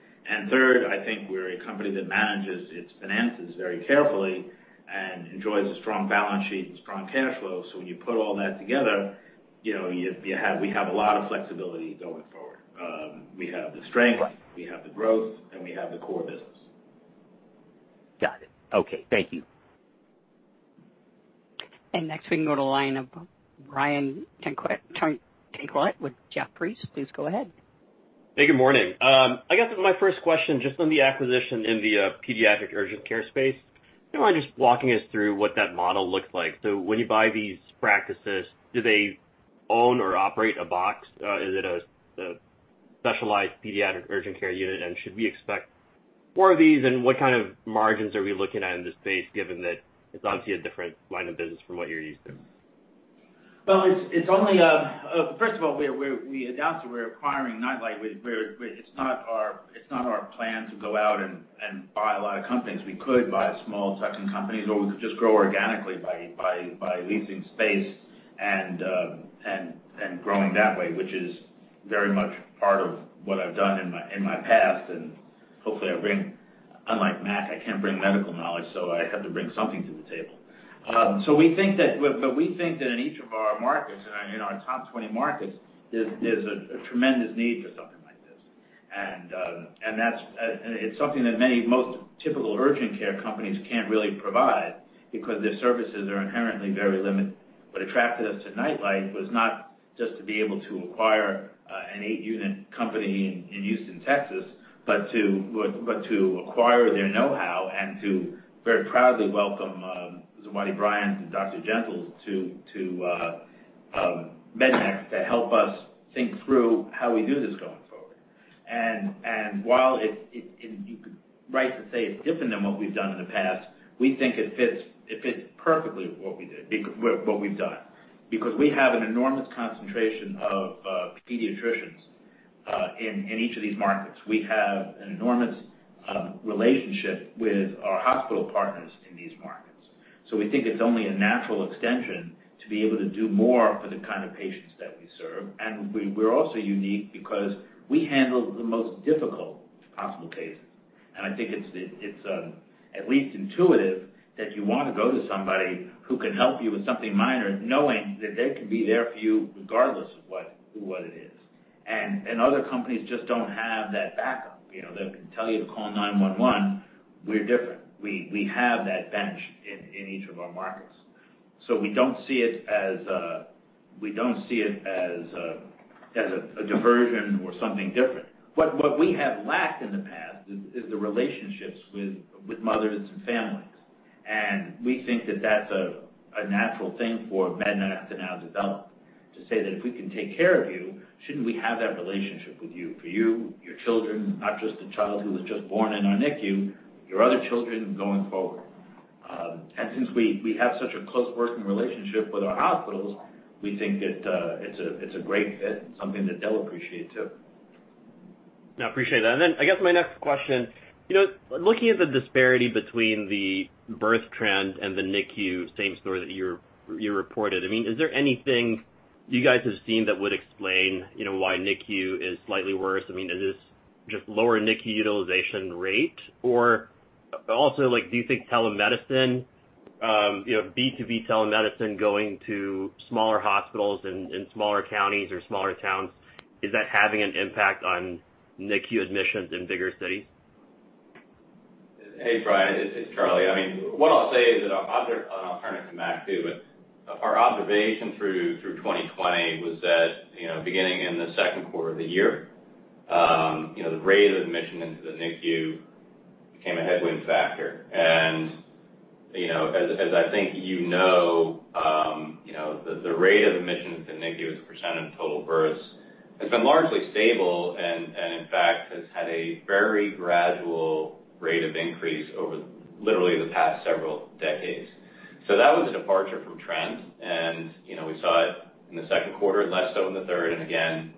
Third, I think we're a company that manages its finances very carefully and enjoys a strong balance sheet and strong cash flow. When you put all that together, we have a lot of flexibility going forward. We have the strength, we have the growth, and we have the core business. Got it. Okay. Thank you. Next we can go to line of Brian Tanquilut with Jefferies. Please go ahead. Hey, good morning. I guess my first question, just on the acquisition in the pediatric urgent care space. Do you mind just walking us through what that model looks like? When you buy these practices, do they own or operate a box? Is it a specialized pediatric urgent care unit, and should we expect more of these, and what kind of margins are we looking at in this space, given that it's obviously a different line of business from what you're used to? Well, first of all, we announced that we're acquiring NightLight. It's not our plan to go out and buy a lot of companies. We could buy small tuck-in companies, or we could just grow organically by leasing space and growing that way, which is very much part of what I've done in my past, and hopefully I bring Unlike Mack I can't bring medical knowledge, so I have to bring something to the table. We think that in each of our markets, in our top 20 markets, there's a tremendous need for something like this. It's something that most typical urgent care companies can't really provide because their services are inherently very limited. What attracted us to NightLight was not just to be able to acquire an eight-unit company in Houston, Texas, but to acquire their know-how and to very proudly welcome Zawadi Bryant and Dr. Gentles to MEDNAX to help us think through how we do this going forward. While you could rightly say it's different than what we've done in the past, we think it fits perfectly with what we've done because we have an enormous concentration of pediatricians, in each of these markets. We have an enormous relationship with our hospital partners in these markets. We think it's only a natural extension to be able to do more for the kind of patients that we serve. We're also unique because we handle the most difficult possible cases. I think it's at least intuitive that you want to go to somebody who can help you with something minor, knowing that they can be there for you regardless of what it is. Other companies just don't have that backup. They can tell you to call 911. We're different. We have that bench in each of our markets. We don't see it as a diversion or something different. What we have lacked in the past is the relationships with mothers and families. We think that that's a natural thing for MEDNAX to now develop, to say that if we can take care of you, shouldn't we have that relationship with you, for you, your children, not just the child who was just born in our NICU, your other children going forward. Since we have such a close working relationship with our hospitals, we think that it's a great fit and something that they'll appreciate too. No, appreciate that. I guess my next question, looking at the disparity between the birth trend and the NICU, same story that you reported. Is there anything you guys have seen that would explain why NICU is slightly worse? Do you think B2B telemedicine going to smaller hospitals in smaller counties or smaller towns, is that having an impact on NICU admissions in bigger cities? Hey, Brian, it's Charles. What I'll say is, and I'll turn it to Marc too, but our observation through 2020 was that, beginning in the second quarter of the year, the rate of admission into the NICU became a headwind factor. As I think you know, the rate of admissions into NICU as a % of total births has been largely stable and in fact, has had a very gradual rate of increase over literally the past several decades. That was a departure from trend. We saw it in the second quarter, less so in the third and again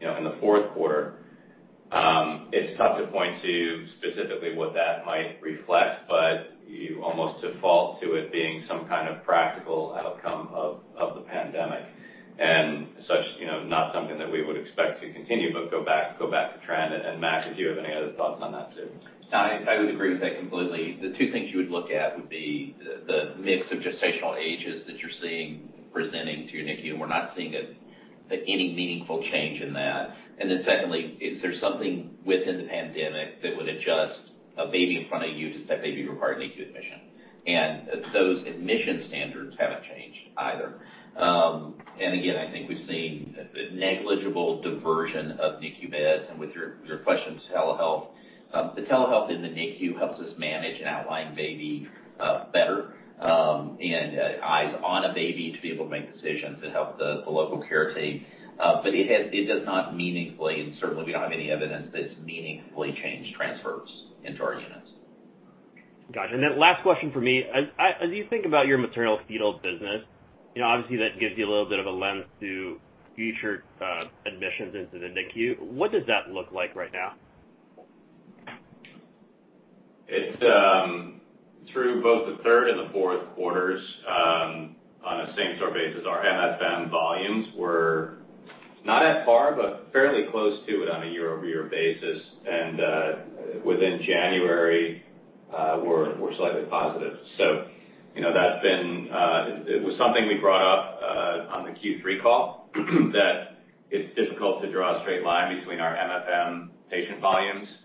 in the fourth quarter. It's tough to point to specifically what that might reflect, but you almost default to it being some kind of practical outcome of the pandemic and such, not something that we would expect to continue but go back to trend. Mack, if you have any other thoughts on that too? I would agree with that completely. The two things you would look at would be the mix of gestational ages that you're seeing presenting to your NICU, and we're not seeing any meaningful change in that. Secondly, is there something within the pandemic that would adjust a baby in front of you such that baby require NICU admission? Those admission standards haven't changed either. Again, I think we've seen negligible diversion of NICU beds. With your question to telehealth, the telehealth in the NICU helps us manage an outlying baby better, and eyes on a baby to be able to make decisions that help the local care team. It does not meaningfully, and certainly we don't have any evidence that it's meaningfully changed transfers into our units. Got you. Last question from me. As you think about your maternal-fetal business, obviously that gives you a little bit of a lens to future admissions into the NICU. What does that look like right now? It's through both the third and the fourth quarters, on a same-store basis, our MFM volumes were not at par, but fairly close to it on a year-over-year basis. Within January, we're slightly positive. It was something we brought up on the Q3 call, that it's difficult to draw a straight line between our MFM patient volumes and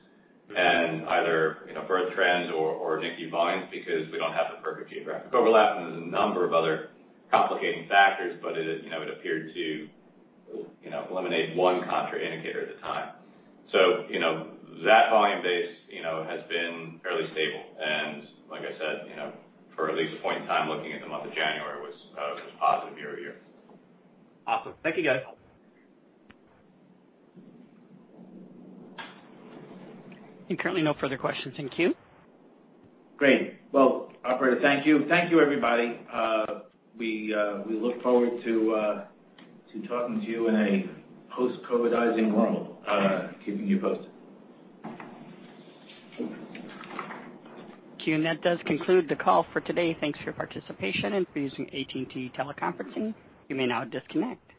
either birth trends or NICU volumes because we don't have the perfect geographic overlap and there's a number of other complicating factors. It appeared to eliminate one contraindicator at a time. That volume base has been fairly stable. Like I said, for at least a point in time, looking at the month of January, it was positive year-over-year. Awesome. Thank you, guys. Currently no further questions in queue. Great. Well, operator, thank you. Thank you, everybody. We look forward to talking to you in a post-COVID world, keeping you posted. That does conclude the call for today. Thanks for your participation and for using AT&T Teleconferencing. You may now disconnect.